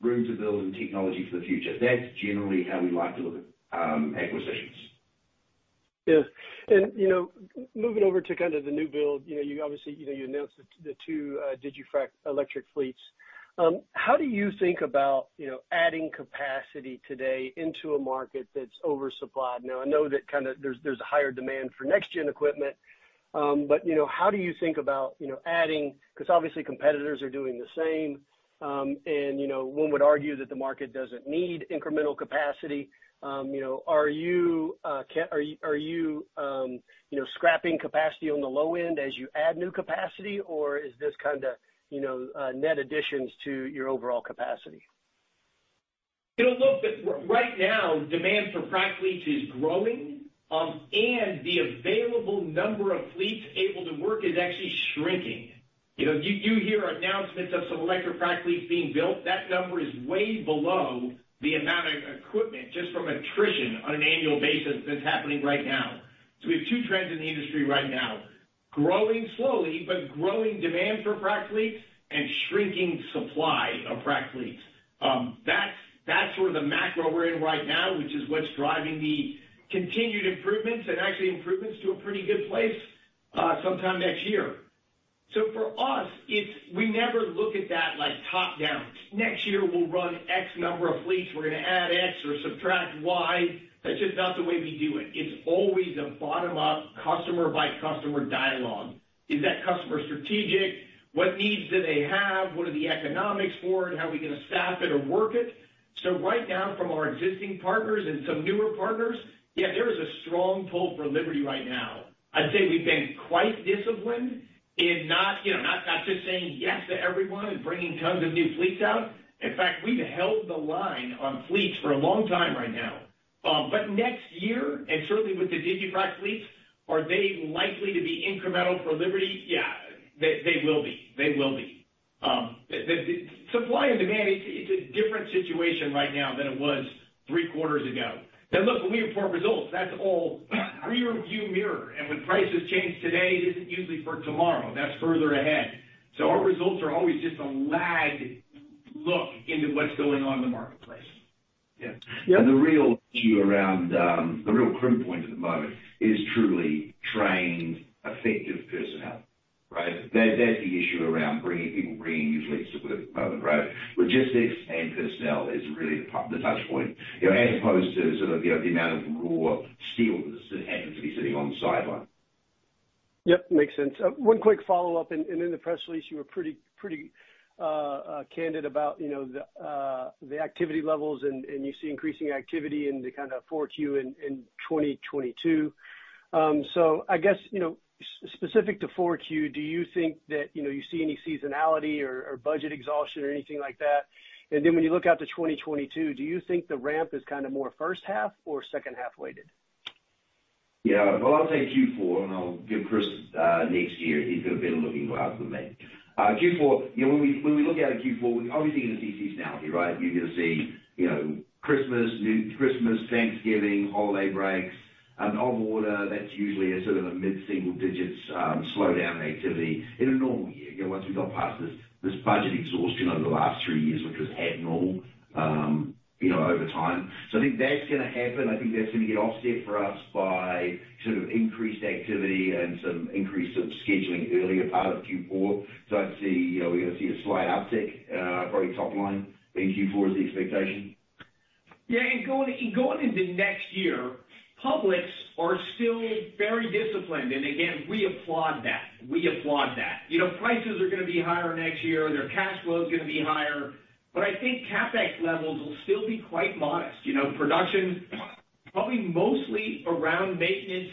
room to build in technology for the future. That's generally how we like to look at acquisitions. Moving over to kind of the new build, you know, you obviously, you know, you announced the two digiFrac electric fleets. How do you think about, you know, adding capacity today into a market that's oversupplied? Now, I know that kinda there's a higher demand for next gen equipment, but, you know, how do you think about, you know, adding 'cause obviously competitors are doing the same. You know, one would argue that the market doesn't need incremental capacity. You know, are you know, scrapping capacity on the low end as you add new capacity, or is this kinda, you know, net additions to your overall capacity? You know, look, right now, demand for frac fleets is growing, and the available number of fleets able to work is actually shrinking. You know, you hear announcements of some electric frac fleets being built. That number is way below the amount of equipment just from attrition on an annual basis that's happening right now. We have two trends in the industry right now, growing slowly, but growing demand for frac fleets and shrinking supply of frac fleets. That's sort of the macro we're in right now, which is what's driving the continued improvements and actually improvements to a pretty good place sometime next year. For us, it's we never look at that like top-down. Next year, we'll run X number of fleets. We're gonna add X or subtract Y. That's just not the way we do it. It's always a bottom-up customer by customer dialogue. Is that customer strategic? What needs do they have? What are the economics for it? How are we gonna staff it or work it? Right now, from our existing partners and some newer partners, yeah, there is a strong pull for Liberty right now. I'd say we've been quite disciplined in not, you know, not just saying yes to everyone and bringing tons of new fleets out. In fact, we've held the line on fleets for a long time right now. Next year, and certainly with the digiFrac fleets, are they likely to be incremental for Liberty? Yeah, they will be. The supply and demand, it's a different situation right now than it was three quarters ago. Look, when we report results, that's all rearview mirror. When prices change today, it isn't usually for tomorrow. That's further ahead. Our results are always just a lagged look into what's going on in the marketplace. Yeah. Yeah. The real issue around the real crimp point at the moment is truly trained, effective personnel, right? That's the issue around bringing people, bringing new fleets to work at the moment, right? Logistics and personnel is really the touch point, you know, as opposed to sort of the amount of raw steel that happens to be sitting on the sideline. Yep, makes sense. One quick follow-up, and in the press release you were pretty candid about, you know, the activity levels and you see increasing activity in the kind of Q4 in 2022. So I guess, specific to Q4, do you think that you see any seasonality or budget exhaustion or anything like that? When you look out to 2022, do you think the ramp is kinda more first half or second half-weighted? Yeah. Well, I'll take Q4 and I'll give Chris next year. He's got a better looking glass than me. Q4, you know, when we look out at Q4, we obviously gonna see seasonality, right? You're gonna see, you know, Christmas, Thanksgiving, holiday breaks or other. That's usually a sort of a mid-single digits slowdown in activity in a normal year. You know, once we got past this budget exhaustion over the last three years, which was abnormal, you know, over time. I think that's gonna happen. I think that's gonna get offset for us by sort of increased activity and some increased sort of scheduling earlier part of Q4. I'd see, you know, we're gonna see a slight uptick, probably top line being Q4 is the expectation. Yeah, going into next year, publics are still very disciplined. Again, we applaud that. We applaud that. You know, prices are gonna be higher next year, and their cash flow is gonna be higher. I think CapEx levels will still be quite modest. You know, production probably mostly around maintenance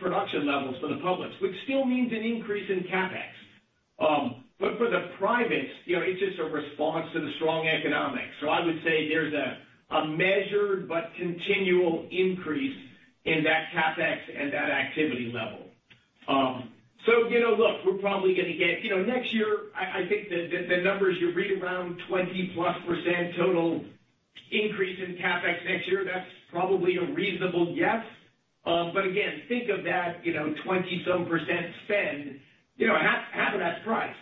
production levels for the publics, which still means an increase in CapEx. For the privates, you know, it's just a response to the strong economics. I would say there's a measured but continual increase in that CapEx and that activity level. You know, look, we're probably gonna get. Next year, I think the numbers you read around 20%+ total increase in CapEx next year, that's probably a reasonable guess. Again, think of that, you know, 20-some% spend, you know, half of that's price.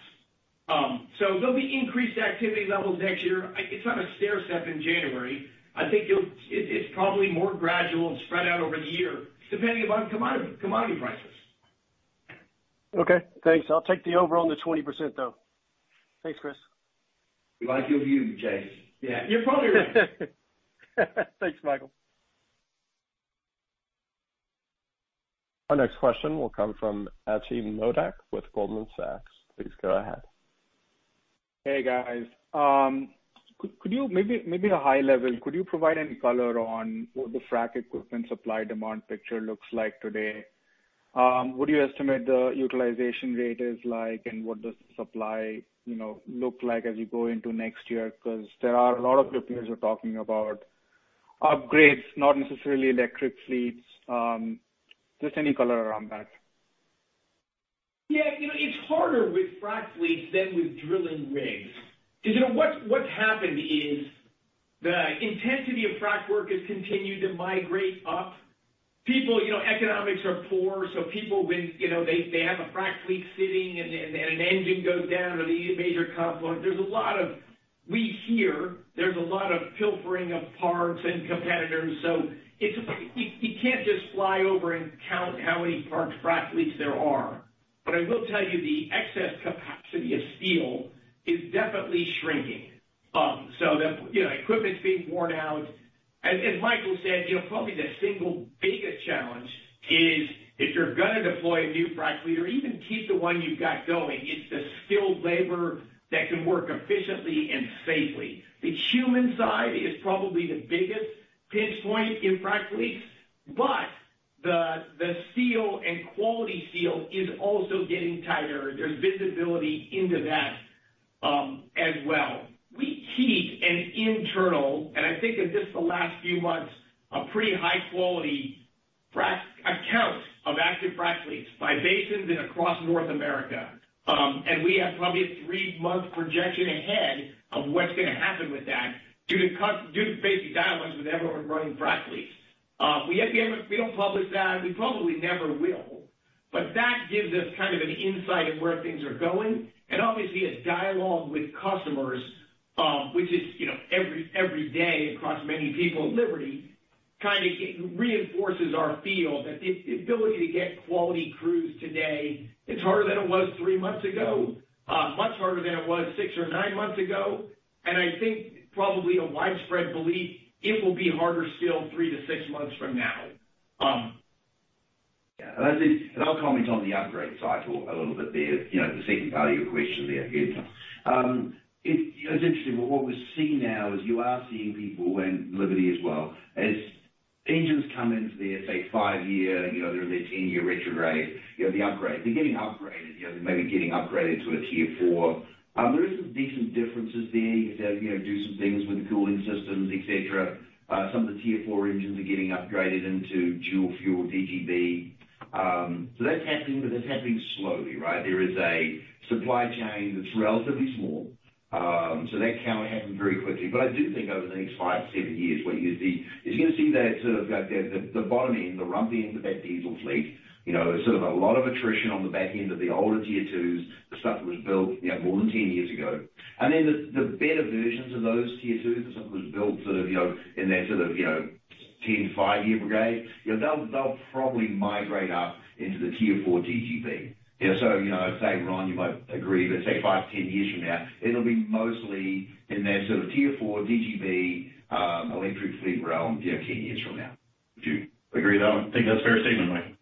There'll be increased activity levels next year. It's not a stair step in January. I think it's probably more gradual and spread out over the year, depending upon commodity prices. Okay, thanks. I'll take the over on the 20%, though. Thanks, Chris. We like your view, Jay. Yeah, you're probably right. Thanks, Michael. Our next question will come from Atidrip Modak with Goldman Sachs. Please go ahead. Hey, guys. Could you maybe at a high level provide any color on what the frac equipment supply-demand picture looks like today? What do you estimate the utilization rate is like, and what does supply, you know, look like as you go into next year? 'Cause there are a lot of your peers who are talking about upgrades, not necessarily electric fleets. Just any color around that. Yeah. You know, it's harder with frac fleets than with drilling rigs. You know, what's happened is the intensity of frac work has continued to migrate up. People, you know, economics are poor, so people when they have a frac fleet sitting and an engine goes down or they need a major component, we hear there's a lot of pilfering of parts and competitors. So it's you can't just fly over and count how many parked frac fleets there are. But I will tell you the excess capacity of steel is definitely shrinking. You know, equipment's being worn out. As Michael said, you know, probably the single biggest challenge is if you're gonna deploy a new frac fleet or even keep the one you've got going, it's the skilled labor that can work efficiently and safely. The human side is probably the biggest pinch point in frac fleets, but the steel and quality steel is also getting tighter. There's visibility into that, as well. We keep an internal, and I think in just the last few months, a pretty high quality frac count of active frac fleets by basins and across North America. We have probably a three-month projection ahead of what's gonna happen with that due to basic dialogues with everyone running frac fleets. We don't publish that. We probably never will. But that gives us kind of an insight of where things are going. Obviously a dialogue with customers, which is, you know, every day across many people at Liberty, kinda reinforces our feel that it's the ability to get quality crews today, it's harder than it was three months ago, much harder than it was six or nine months ago. I think probably a widespread belief it will be harder still three to six months from now. I think I'll comment on the upgrade cycle a little bit there, the second part of your question there, Atidrip. It's interesting. What we're seeing now is you are seeing people, and Liberty as well, as engines come into their, say, five-year, they're in their 10-year retrofit, the upgrade. They're getting upgraded, they may be getting upgraded to a Tier 4. There is some decent differences there. You can sort of do some things with the cooling systems, et cetera. Some of the Tier 4 engines are getting upgraded into dual fuel DGB. That's happening, but that's happening slowly, right? There is a supply chain that's relatively small. That can't happen very quickly. I do think over the next five to seven years, what you're gonna see is that sort of like the bottom end, the rump end of that diesel fleet. You know, there's sort of a lot of attrition on the back end of the older Tier 2s, the stuff that was built, you know, more than 10 years ago. Then the better versions of those Tier 2s, the stuff that was built sort of, you know, in that sort of, you know, 10- to five-year brigade, you know, they'll probably migrate up into the Tier 4 DGB. You know, I'd say, Ron, you might agree, but say five-10 years from now, it'll be mostly in that sort of Tier 4 DGB, electric fleet realm, you know, 10 years from now. Do you agree with that one? I think that's a fair statement, Mike.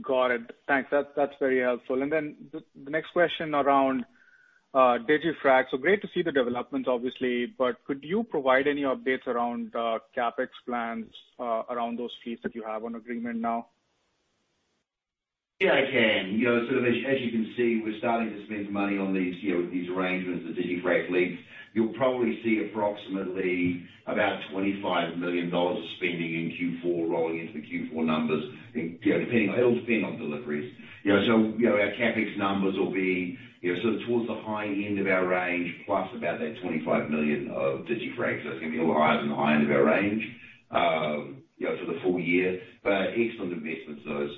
Got it. Thanks. That's very helpful. The next question around digiFrac. Great to see the developments obviously, but could you provide any updates around CapEx plans around those fleets that you have on agreement now? Yeah, I can. You know, sort of as you can see, we're starting to spend money on these, you know, these arrangements, the digiFrac links. You'll probably see approximately about $25 million of spending in Q4 rolling into the Q4 numbers, you know, depending, it'll depend on deliveries. You know, our CapEx numbers will be, you know, sort of towards the high end of our range, plus about that $25 million of digiFrac. It's gonna be a little higher than the high end of our range, you know, for the full year. But excellent investments, those.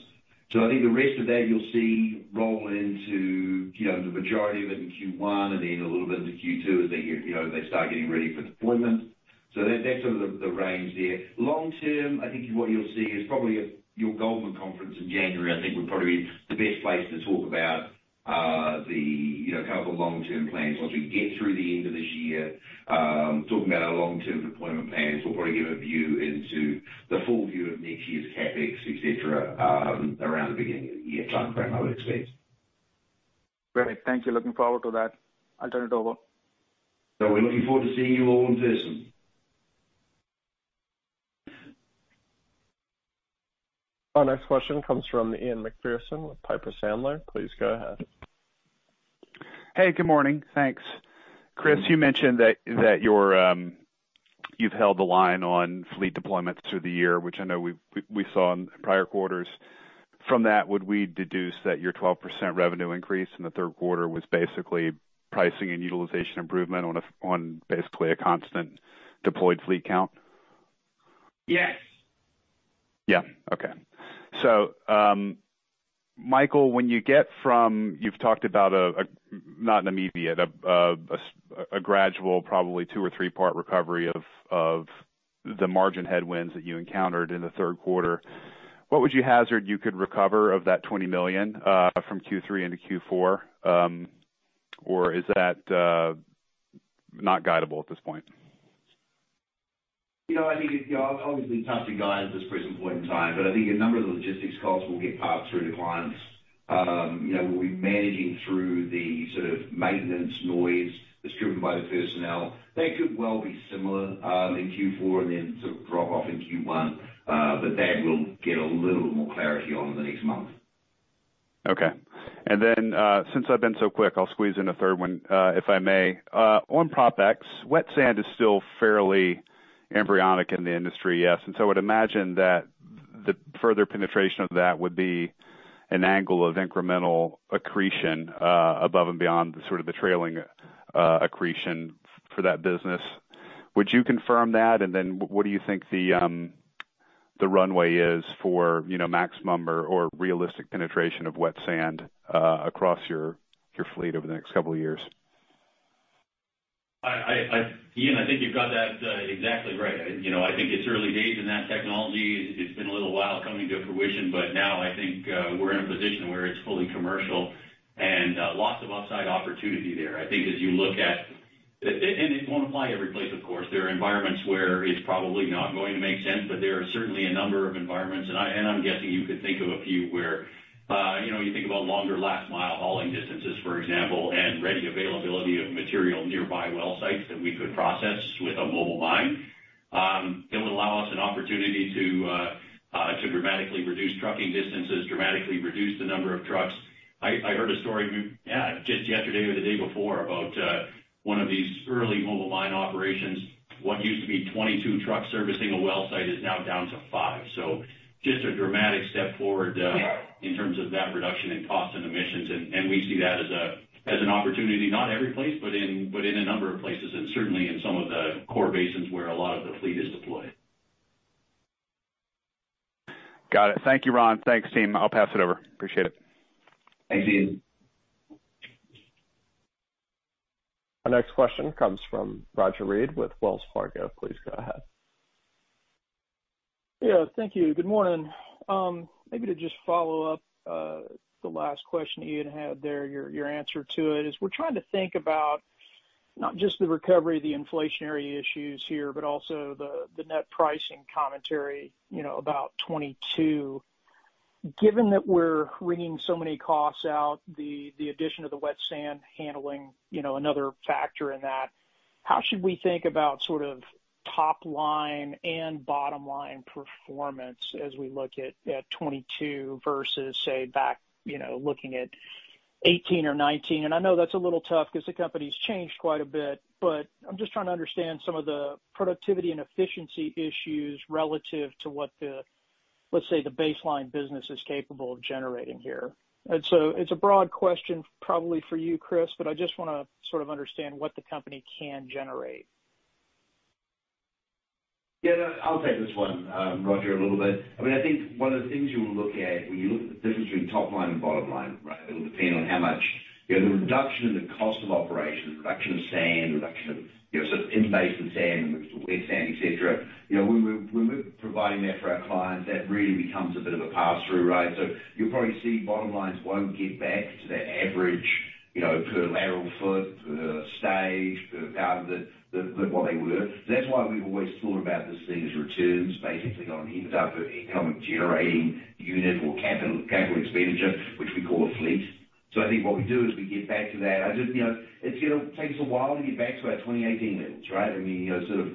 I think the rest of that you'll see roll into, you know, the majority of it in Q1 and then a little bit into Q2 as they get, you know, they start getting ready for deployment. That's sort of the range there. Long term, I think what you'll see is probably at your Goldman conference in January, I think, would probably be the best place to talk about, the, you know, kind of the long-term plans. Once we get through the end of this year, talking about our long-term deployment plans, we'll probably give a view into the full view of next year's CapEx, et cetera, around the beginning of the year timeframe, I would expect. Great. Thank you. Looking forward to that. I'll turn it over. We're looking forward to seeing you all in person. Our next question comes from Ian MacPherson with Piper Sandler. Please go ahead. Hey, good morning. Thanks. Chris, you mentioned that you have held the line on fleet deployments through the year, which I know we saw in prior quarters. From that, would we deduce that your 12% revenue increase in the Q3 was basically pricing and utilization improvement on basically a constant deployed fleet count? Yes. Michael, you've talked about not an immediate, a gradual, probably two- or three-part recovery of the margin headwinds that you encountered in the Q3. What would you hazard you could recover of that $20 million from Q3 into Q4? Or is that not guidable at this point? You know, I think it's, you know, obviously tough to guide at this present point in time, but I think a number of the logistics costs will get passed through to clients. You know, we'll be managing through the sort of maintenance noise that's driven by the personnel. That could well be similar in Q4 and then sort of drop off in Q1. But that we'll get a little more clarity on in the next month. Okay. Then, since I've been so quick, I'll squeeze in a third one, if I may. On PropX, wet sand is still fairly embryonic in the industry, yes. I would imagine that the further penetration of that would be an angle of incremental accretion, above and beyond the sort of trailing accretion for that business. Would you confirm that? What do you think the runway is for, you know, maximum or realistic penetration of wet sand, across your fleet over the next couple of years? Ian, I think you've got that exactly right. You know, I think it's early days in that technology. It's been a little while coming to fruition, but now I think we're in a position where it's fully commercial and lots of upside opportunity there. I think as you look at. It won't apply every place, of course. There are environments where it's probably not going to make sense, but there are certainly a number of environments, and I'm guessing you could think of a few, where you know you think about longer last mile hauling distances, for example, and ready availability of material nearby well sites that we could process with a mobile mine. It would allow us an opportunity to dramatically reduce trucking distances, dramatically reduce the number of trucks. I heard a story just yesterday or the day before about one of these early mobile mine operations. What used to be 22 trucks servicing a well site is now down to five. Just a dramatic step forward in terms of that reduction in cost and emissions. We see that as an opportunity, not every place, but in a number of places, and certainly in some of the core basins where a lot of the fleet is deployed. Got it. Thank you, Ron. Thanks, team. I'll pass it over. Appreciate it. Thanks, Ian. Our next question comes from Roger Read with Wells Fargo. Please go ahead. Yeah. Thank you. Good morning. Maybe to just follow up, the last question Ian had there, your answer to it, is we're trying to think about not just the recovery of the inflationary issues here, but also the net pricing commentary, you know, about 2022. Given that we're wringing so many costs out, the addition of the wet sand handling, you know, another factor in that, how should we think about sort of top line and bottom line performance as we look at 2022 versus, say, back, you know, looking at 2018 or 2019? I know that's a little tough because the company's changed quite a bit, but I'm just trying to understand some of the productivity and efficiency issues relative to what the, let's say, the baseline business is capable of generating here. It's a broad question probably for you, Chris, but I just wanna sort of understand what the company can generate. Yeah, no, I'll take this one, Roger, a little bit. I mean, I think one of the things you will look at when you look at the difference between top line and bottom line, right? It will depend on how much, you know, the reduction in the cost of operations, reduction of sand, reduction of, you know, sort of in-basin sand and wet sand, et cetera. You know, when we're providing that for our clients, that really becomes a bit of a pass-through, right? So you'll probably see bottom lines won't get back to that average, you know, per lateral foot, per stage, per pound of the what they were. So that's why we've always thought about this thing as returns basically on an end of economic generating unit or capital expenditure, which we call a fleet. I think what we do is we get back to that. I just, you know, it's gonna take us a while to get back to our 2018 levels, right? I mean, you know, sort of,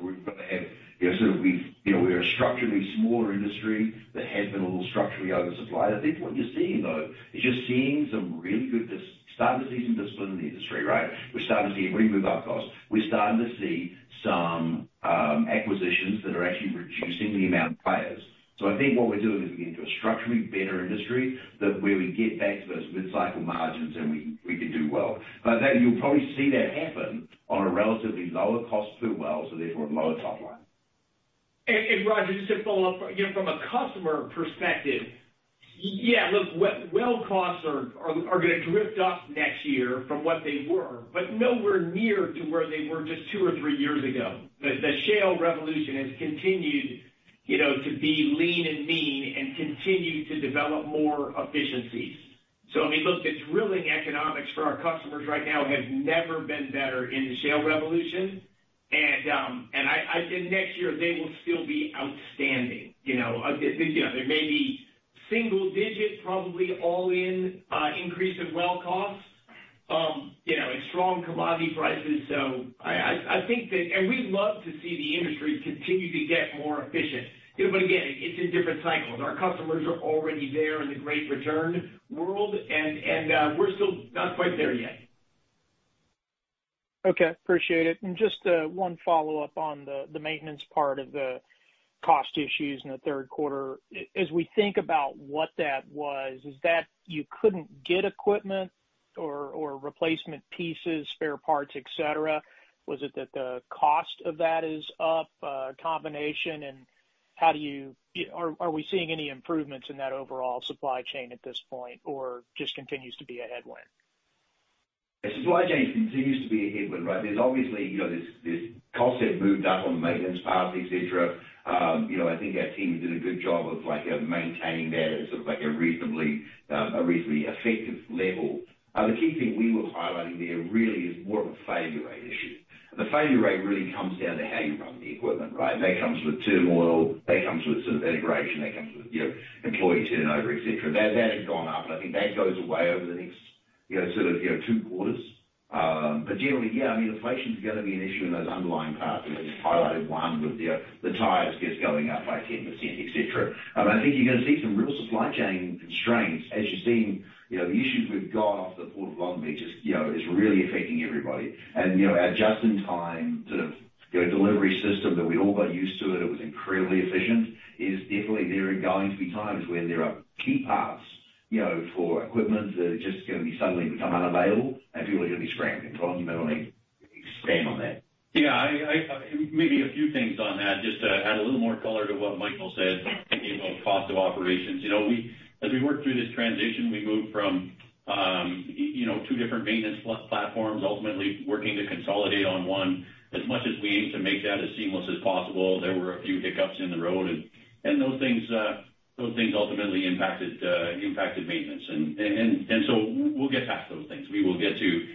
you know, we're a structurally smaller industry that has been a little structurally oversupplied. I think what you're seeing, though, is you're seeing some really good discipline in the industry, right? We're starting to see driving out costs. We're starting to see some acquisitions that are actually reducing the amount of players. I think what we're doing is we get into a structurally better industry that where we get back to those mid-cycle margins, and we can do well. that you'll probably see that happen on a relatively lower cost per well, so therefore a lower top line. Roger, just to follow up, you know, from a customer perspective, yeah, look, well costs are gonna drift up next year from what they were, but nowhere near to where they were just two or three years ago. The shale revolution has continued, you know, to be lean and mean and continue to develop more efficiencies. I mean, look, the drilling economics for our customers right now have never been better in the shale revolution. I think next year they will still be outstanding. You know, there may be single digits probably all in, increase in well costs, you know, and strong commodity prices. So I think that. We love to see the industry continue to get more efficient. You know, but again, it's in different cycles. Our customers are already there in the great return world and we're still not quite there yet. Okay. Appreciate it. Just one follow-up on the maintenance part of the cost issues in the Q3. As we think about what that was, is that you couldn't get equipment or replacement pieces, spare parts, et cetera? Was it that the cost of that is up, combination? Are we seeing any improvements in that overall supply chain at this point or just continues to be a headwind? The supply chain continues to be a headwind, right? There's obviously, you know, cost that moved up on the maintenance part, et cetera. You know, I think our team did a good job of, like, maintaining that at sort of like a reasonably effective level. The key thing we were highlighting there really is more of a failure rate issue. The failure rate really comes down to how you run the equipment, right? And that comes with turmoil, that comes with sort of integration, that comes with, you know, employee turnover, et cetera. That has gone up. I think that goes away over the next, you know, sort of, you know, two quarters. Generally, yeah, I mean, inflation is gonna be an issue in those underlying parts. I just highlighted one with the tires just going up by 10%, et cetera. I think you're gonna see some real supply chain constraints as you're seeing, you know, the issues we've got off the Port of Long Beach is really affecting everybody. You know, our just-in-time sort of delivery system that we all got used to, it was incredibly efficient, is definitely there are going to be times where there are key parts, you know, for equipment that are just gonna be suddenly become unavailable and people are gonna be scrambling. Ron Gusek, you may want to expand on that. Yeah, I maybe a few things on that just to add a little more color to what Michael said, thinking about cost of operations. You know, as we work through this transition, we move from you know, two different maintenance platforms ultimately working to consolidate on one. As much as we aim to make that as seamless as possible, there were a few hiccups in the road and those things ultimately impacted maintenance. So we'll get past those things. We will get to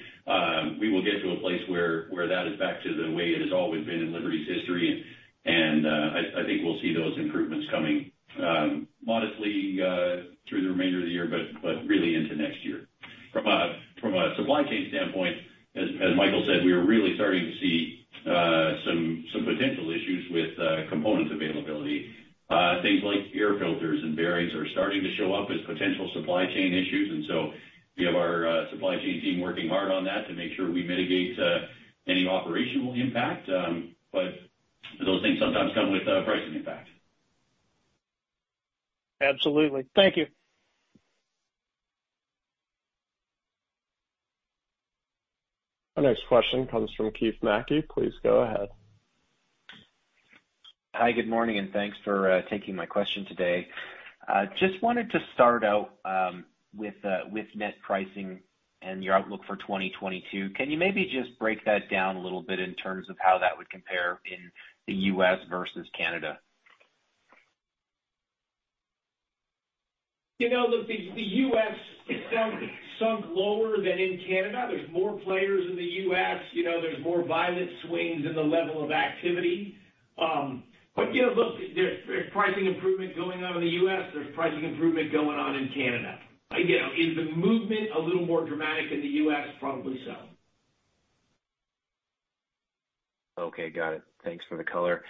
a place where that is back to the way it has always been in Liberty's history. I think we'll see those improvements coming modestly through the remainder of the year, but really into next year. From a supply chain standpoint, as Michael said, we are really starting to see some potential issues with component availability. Things like air filters and bearings are starting to show up as potential supply chain issues. We have our supply chain team working hard on that to make sure we mitigate any operational impact. Those things sometimes come with a pricing impact. Absolutely. Thank you. Our next question comes from Keith Mackey. Please go ahead. Hi, good morning, and thanks for taking my question today. Just wanted to start out with net pricing and your outlook for 2022. Can you maybe just break that down a little bit in terms of how that would compare in the U.S. versus Canada? You know, look, the U.S. has sunk lower than in Canada. There's more players in the U.S., you know, there's more violent swings in the level of activity. You know, look, there's pricing improvement going on in the U.S., there's pricing improvement going on in Canada. You know, is the movement a little more dramatic in the U.S.? Probably so. Okay. Got it. Thanks for the color.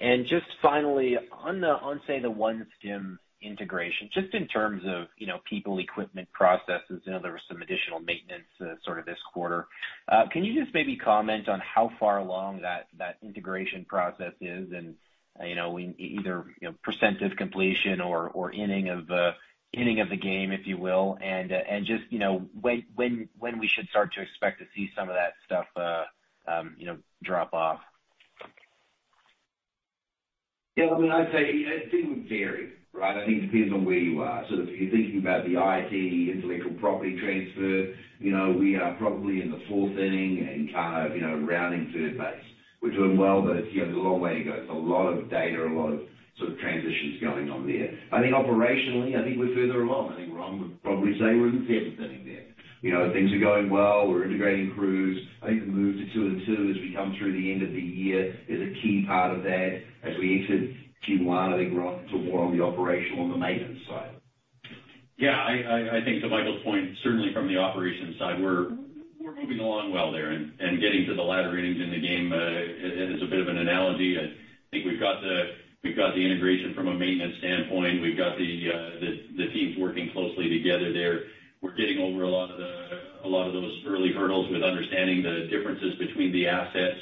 Just finally on the, on say the OneStim integration, just in terms of, you know, people, equipment, processes, you know, there was some additional maintenance, sort of this quarter. Can you just maybe comment on how far along that integration process is and, you know, in either, you know, percentage completion or inning of the game, if you will? Just, you know, when we should start to expect to see some of that stuff, you know, drop off? Yeah, I mean, I'd say it would vary, right? I think it depends on where you are. If you're thinking about the IT intellectual property transfer, you know, we are probably in the fourth inning and kind of, you know, rounding third base. We're doing well, but it's a long way to go. It's a lot of data, a lot of sort of transitions going on there. I think operationally, I think we're further along. I think Ron would probably say we're in the seventh inning there. You know, things are going well. We're integrating crews. I think the move to two and two as we come through the end of the year is a key part of that. As we enter Q1, I think we're off to more on the operational, on the maintenance side. Yeah, I think to Michael's point, certainly from the operations side, we're moving along well there and getting to the latter innings in the game, as a bit of an analogy. I think we've got the integration from a maintenance standpoint. We've got the teams working closely together there. We're getting over a lot of those early hurdles with understanding the differences between the assets.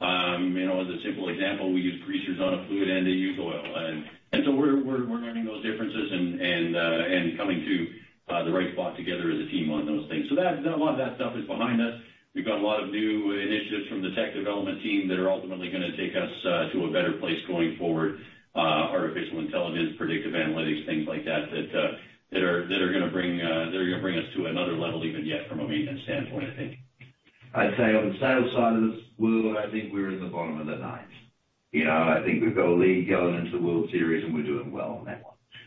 You know, as a simple example, we use pressures on a fluid end, they use oil. We're learning those differences and coming to the right spot together as a team on those things. A lot of that stuff is behind us. We've got a lot of new initiatives from the tech development team that are ultimately gonna take us to a better place going forward. Artificial intelligence, predictive analytics, things like that that are gonna bring us to another level even yet from a maintenance standpoint, I think. I'd say on the sales side of this world, I think we're in the bottom of the ninth. You know, I think we've got a lead going into the World Series, and we're doing well on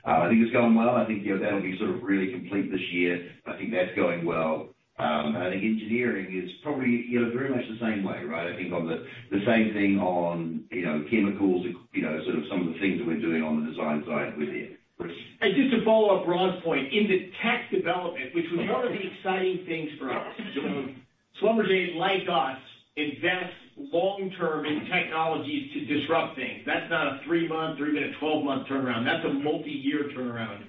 that one. I think it's going well. I think, you know, that'll be sort of really complete this year. I think that's going well. I think engineering is probably, you know, very much the same way, right? I think on the same thing on, you know, chemicals, you know, sort of some of the things that we're doing on the design side with it. Just to follow up Ron's point, in the tech development, which was one of the exciting things for us. Schlumberger, like us, invest long-term in technologies to disrupt things. That's not a three-month or even a 12-month turnaround. That's a multiyear turnaround.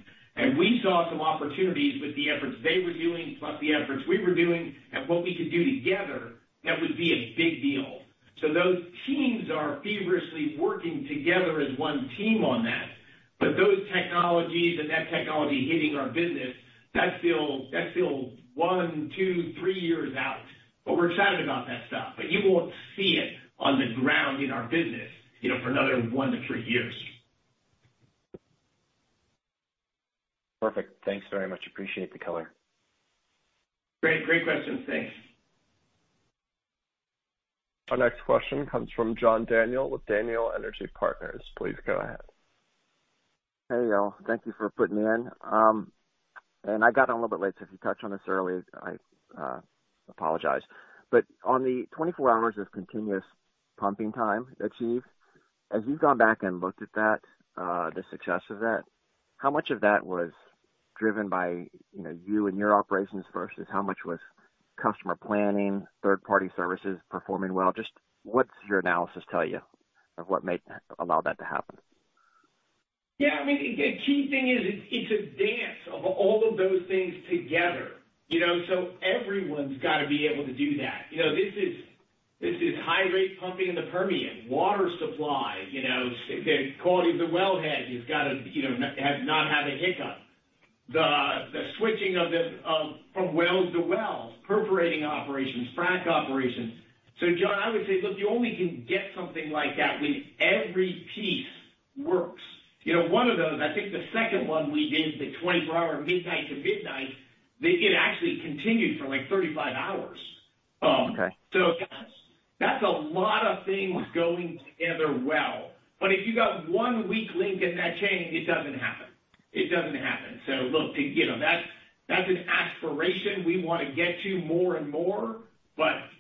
We saw some opportunities with the efforts they were doing, plus the efforts we were doing, and what we could do together, that would be a big deal. Those teams are feverishly working together as one team on that. Those technologies and that technology hitting our business, that's still one, two, three years out. We're excited about that stuff, but you won't see it on the ground in our business, you know, for another one to three years. Perfect. Thanks very much. Appreciate the color. Great. Great questions. Thanks. Our next question comes from John Daniel with Daniel Energy Partners. Please go ahead. Hey, y'all. Thank you for putting me in. I got on a little bit late, so if you touched on this earlier, I apologize. On the 24 hours of continuous pumping time achieved, as you've gone back and looked at that, the success of that, how much of that was driven by, you know, you and your operations versus how much was customer planning, third-party services performing well? Just what's your analysis tell you of what made that allowed that to happen? Yeah, I mean, the key thing is it's a dance of all of those things together, you know. Everyone's got to be able to do that. You know, this is high rate pumping in the Permian. Water supply, you know, the quality of the wellhead has got to not have a hiccup. The switching from well to well, perforating operations, frac operations. John, I would say, look, you only can get something like that when every piece works. You know, one of those, I think the second one we did, the 24-hour midnight to midnight, it actually continued for like 35 hours. Okay. That's a lot of things going together well. If you got one weak link in that chain, it doesn't happen. Look, you know, that's an aspiration we wanna get to more and more.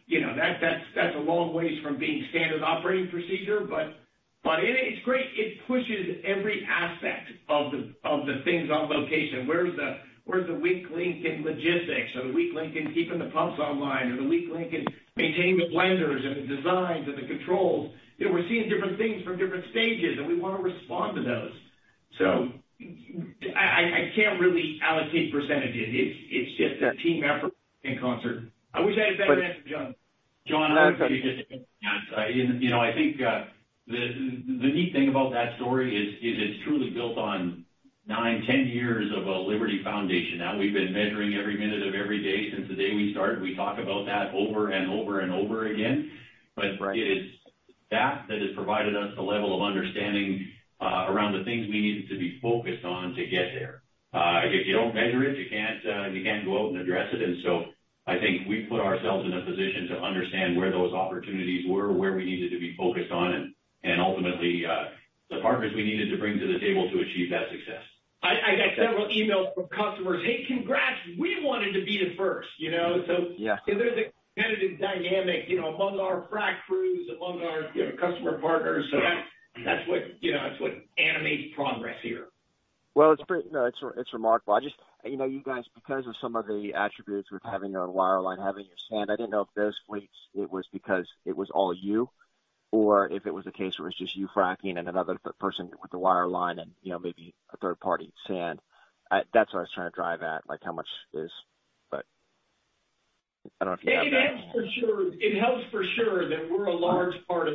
You know, that's a long ways from being standard operating procedure. It's great. It pushes every aspect of the things on location. Where's the weak link in logistics or the weak link in keeping the pumps online or the weak link in maintaining the blenders and the designs and the controls? You know, we're seeing different things from different stages, and we wanna respond to those. I can't really allocate percentages. It's just a team effort in concert. I wish I had a better answer, John. John, I would say, you know, I think, the neat thing about that story is it's truly built on nine to 10 years of a Liberty foundation. Now, we've been measuring every minute of every day since the day we started. We talk about that over and over and over again. But it is that has provided us the level of understanding around the things we needed to be focused on to get there. If you don't measure it, you can't go out and address it. I think we put ourselves in a position to understand where those opportunities were, where we needed to be focused on, and ultimately, the partners we needed to bring to the table to achieve that success. I got several emails from customers, "Hey, congrats. We wanted to be the first," you know? Yeah. There's a competitive dynamic, you know, among our frack crews, among our, you know, customer partners. Yeah. That's what, you know, animates progress here. Well, it's remarkable. I just you know, you guys, because of some of the attributes with having your wireline, having your sand, I didn't know if those fleets, it was because it was all you or if it was a case where it's just you fracking and another person with the wireline and, you know, maybe a third party sand. That's what I was trying to drive at, like how much is. But I don't know if you have that. It helps for sure that we're a large part of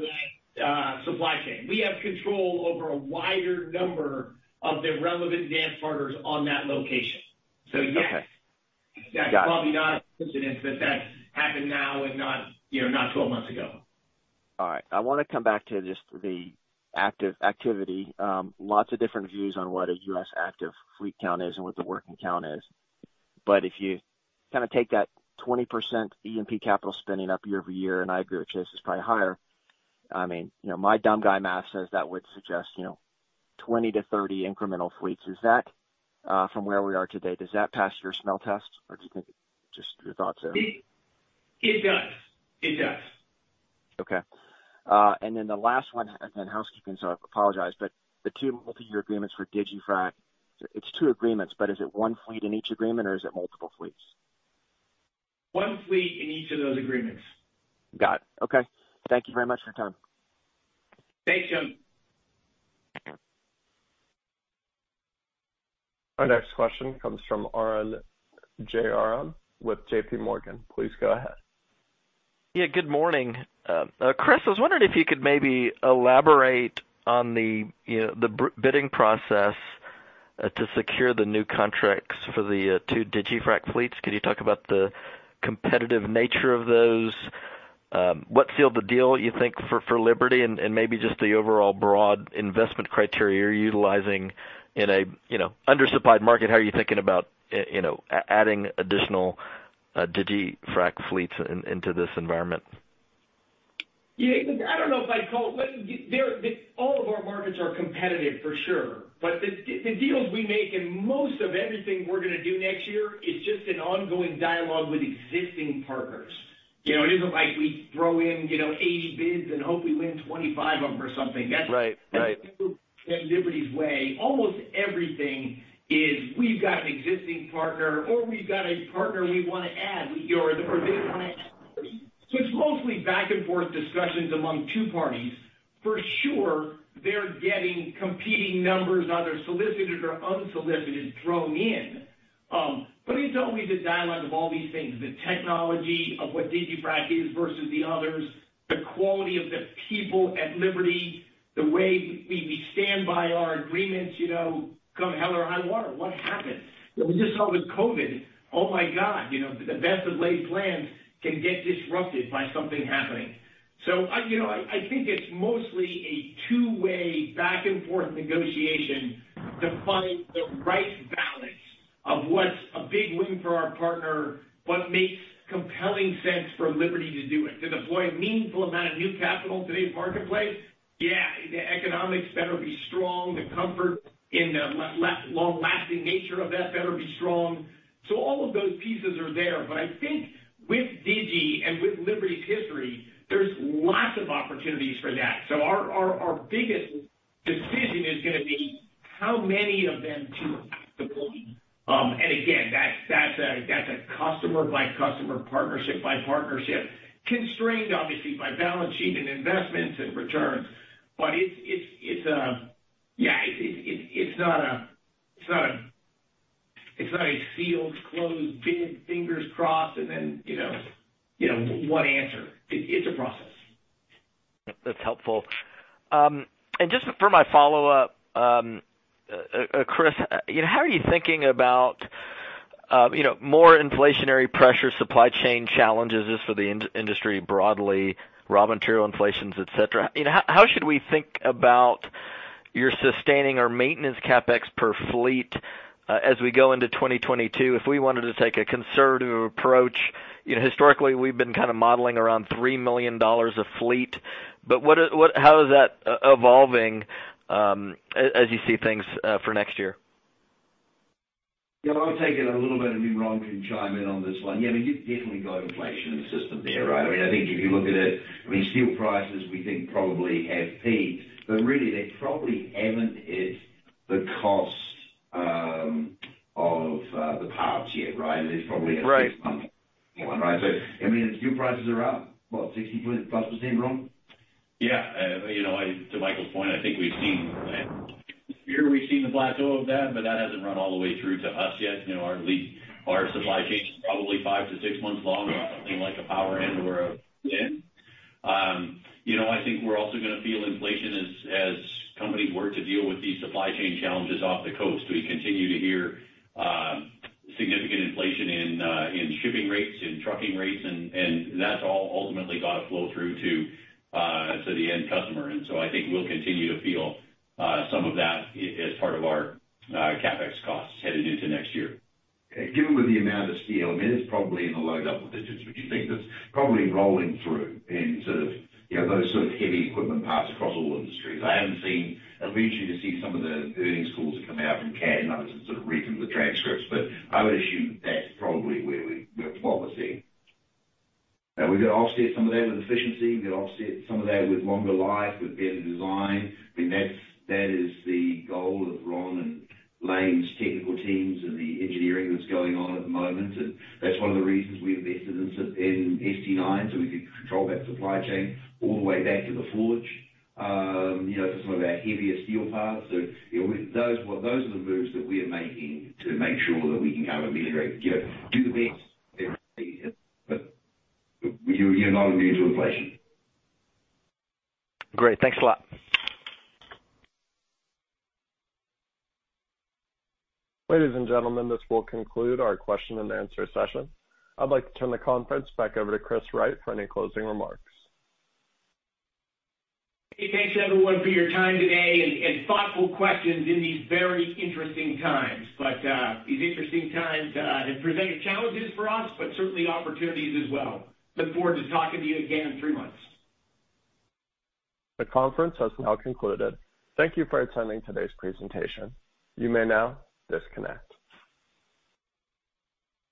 that supply chain. We have control over a wider number of the relevant dance partners on that location. Yes. Okay. That's probably not coincidence that that's happened now and not, you know, not 12 months ago. All right. I wanna come back to just the active activity. Lots of different views on what a U.S. active fleet count is and what the working count is. If you kind of take that 20% E&P capital spending up year-over-year, and I agree with Chase, it's probably higher. I mean, you know, my dumb guy math says that would suggest, you know, 20 to 30 incremental fleets. Is that, from where we are today, does that pass your smell test? Or do you think? Just your thoughts there. It does. It does. Okay. The last one, then housekeeping, so I apologize. The two multiyear agreements for digiFrac, it's two agreements, but is it one fleet in each agreement or is it multiple fleets? One fleet in each of those agreements. Got it. Okay. Thank you very much for your time. Thank you. Our next question comes from Arun Jayaram with J.P. Morgan. Please go ahead. Yeah, good morning. Chris, I was wondering if you could maybe elaborate on the, you know, the bidding process to secure the new contracts for the, two digiFrac fleets. Could you talk about the competitive nature of those? What sealed the deal, you think, for Liberty and maybe just the overall broad investment criteria you're utilizing in a, you know, undersupplied market, how are you thinking about, you know, adding additional, digiFrac fleets into this environment? Yeah, I don't know if I'd call it. All of our markets are competitive for sure. The deals we make and most of everything we're gonna do next year is just an ongoing dialogue with existing partners. You know, it isn't like we throw in, you know, 80 bids and hope we win 25 of them or something. Right. Right. That's not Liberty's way. Almost everything is we've got an existing partner or we've got a partner we wanna add or they wanna add. It's mostly back and forth discussions among two parties. For sure, they're getting competing numbers, either solicited or unsolicited, thrown in. But it's always a dialogue of all these things, the technology of what digiFrac is versus the others, the quality of the people at Liberty, the way we stand by our agreements, you know, come hell or high water, what happens. You know, we just saw with COVID, oh my god, you know, the best of laid plans can get disrupted by something happening. I you know think it's mostly a two-way back and forth negotiation to find the right balance of what's a big win for our partner, what makes compelling sense for Liberty to do it. To deploy a meaningful amount of new capital in today's marketplace, yeah, the economics better be strong, the comfort in the long-lasting nature of that better be strong. All of those pieces are there. I think with digiFrac and with Liberty's history, there's lots of opportunities for that. Our biggest decision is gonna be how many of them to deploy. Again, that's a customer by customer, partnership by partnership, constrained obviously by balance sheet and investments and returns. It's a... Yeah, it's not a sealed closed bid, fingers crossed, and then, you know, one answer. It's a process. That's helpful. Just for my follow-up, Chris, you know, how are you thinking about, you know, more inflationary pressure, supply chain challenges just for the industry broadly, raw material inflations, et cetera? You know, how should we think about your sustaining or maintenance CapEx per fleet, as we go into 2022, if we wanted to take a conservative approach? You know, historically, we've been kind of modeling around $3 million a fleet, but how is that evolving, as you see things, for next year? Yeah, I'll take it a little bit, and then Ron can chime in on this one. Yeah, I mean, you've definitely got inflation in the system there, right? I mean, I think if you look at it, I mean, steel prices we think probably have peaked, but really they probably haven't hit the cost of the parts yet, right? Right. There's probably a six-month one, right? I mean, steel prices are up, what, 60+%, Ron? Yeah. You know, to Michael's point, I think we've seen the plateau of that, but that hasn't run all the way through to us yet. You know, our lead, our supply chain is probably five to six months long on something like a power end or a pin. You know, I think we're also gonna feel inflation as companies work to deal with these supply chain challenges off the coast. We continue to hear significant inflation in shipping rates, in trucking rates, and that's all ultimately gonna flow through to the end customer. I think we'll continue to feel some of that as part of our CapEx costs headed into next year. Given the amount of steel, I mean, it's probably in the low double digits. Would you think that's probably rolling through in sort of, you know, those sort of heavy equipment parts across all industries? I haven't seen. It'll be interesting to see some of the earnings calls that come out from CAT and others and sort of read through the transcripts. I would assume that's probably where we're probably seeing. We're gonna offset some of that with efficiency. We're gonna offset some of that with longer life, with better design. I mean, that is the goal of Ron and Lane's technical teams and the engineering that's going on at the moment. That's one of the reasons we invested in SDI, so we could control that supply chain all the way back to the forge, you know, for some of our heavier steel parts. You know, those are the moves that we're making to make sure that we can kind of mitigate, you know, do the best but you're not immune to inflation. Great. Thanks a lot. Ladies and gentlemen, this will conclude our question and answer session. I'd like to turn the conference back over to Chris Wright for any closing remarks. Hey, thanks everyone for your time today and thoughtful questions in these very interesting times. These interesting times have presented challenges for us, but certainly opportunities as well. I look forward to talking to you again in three months. The conference has now concluded. Thank you for attending today's presentation. You may now disconnect.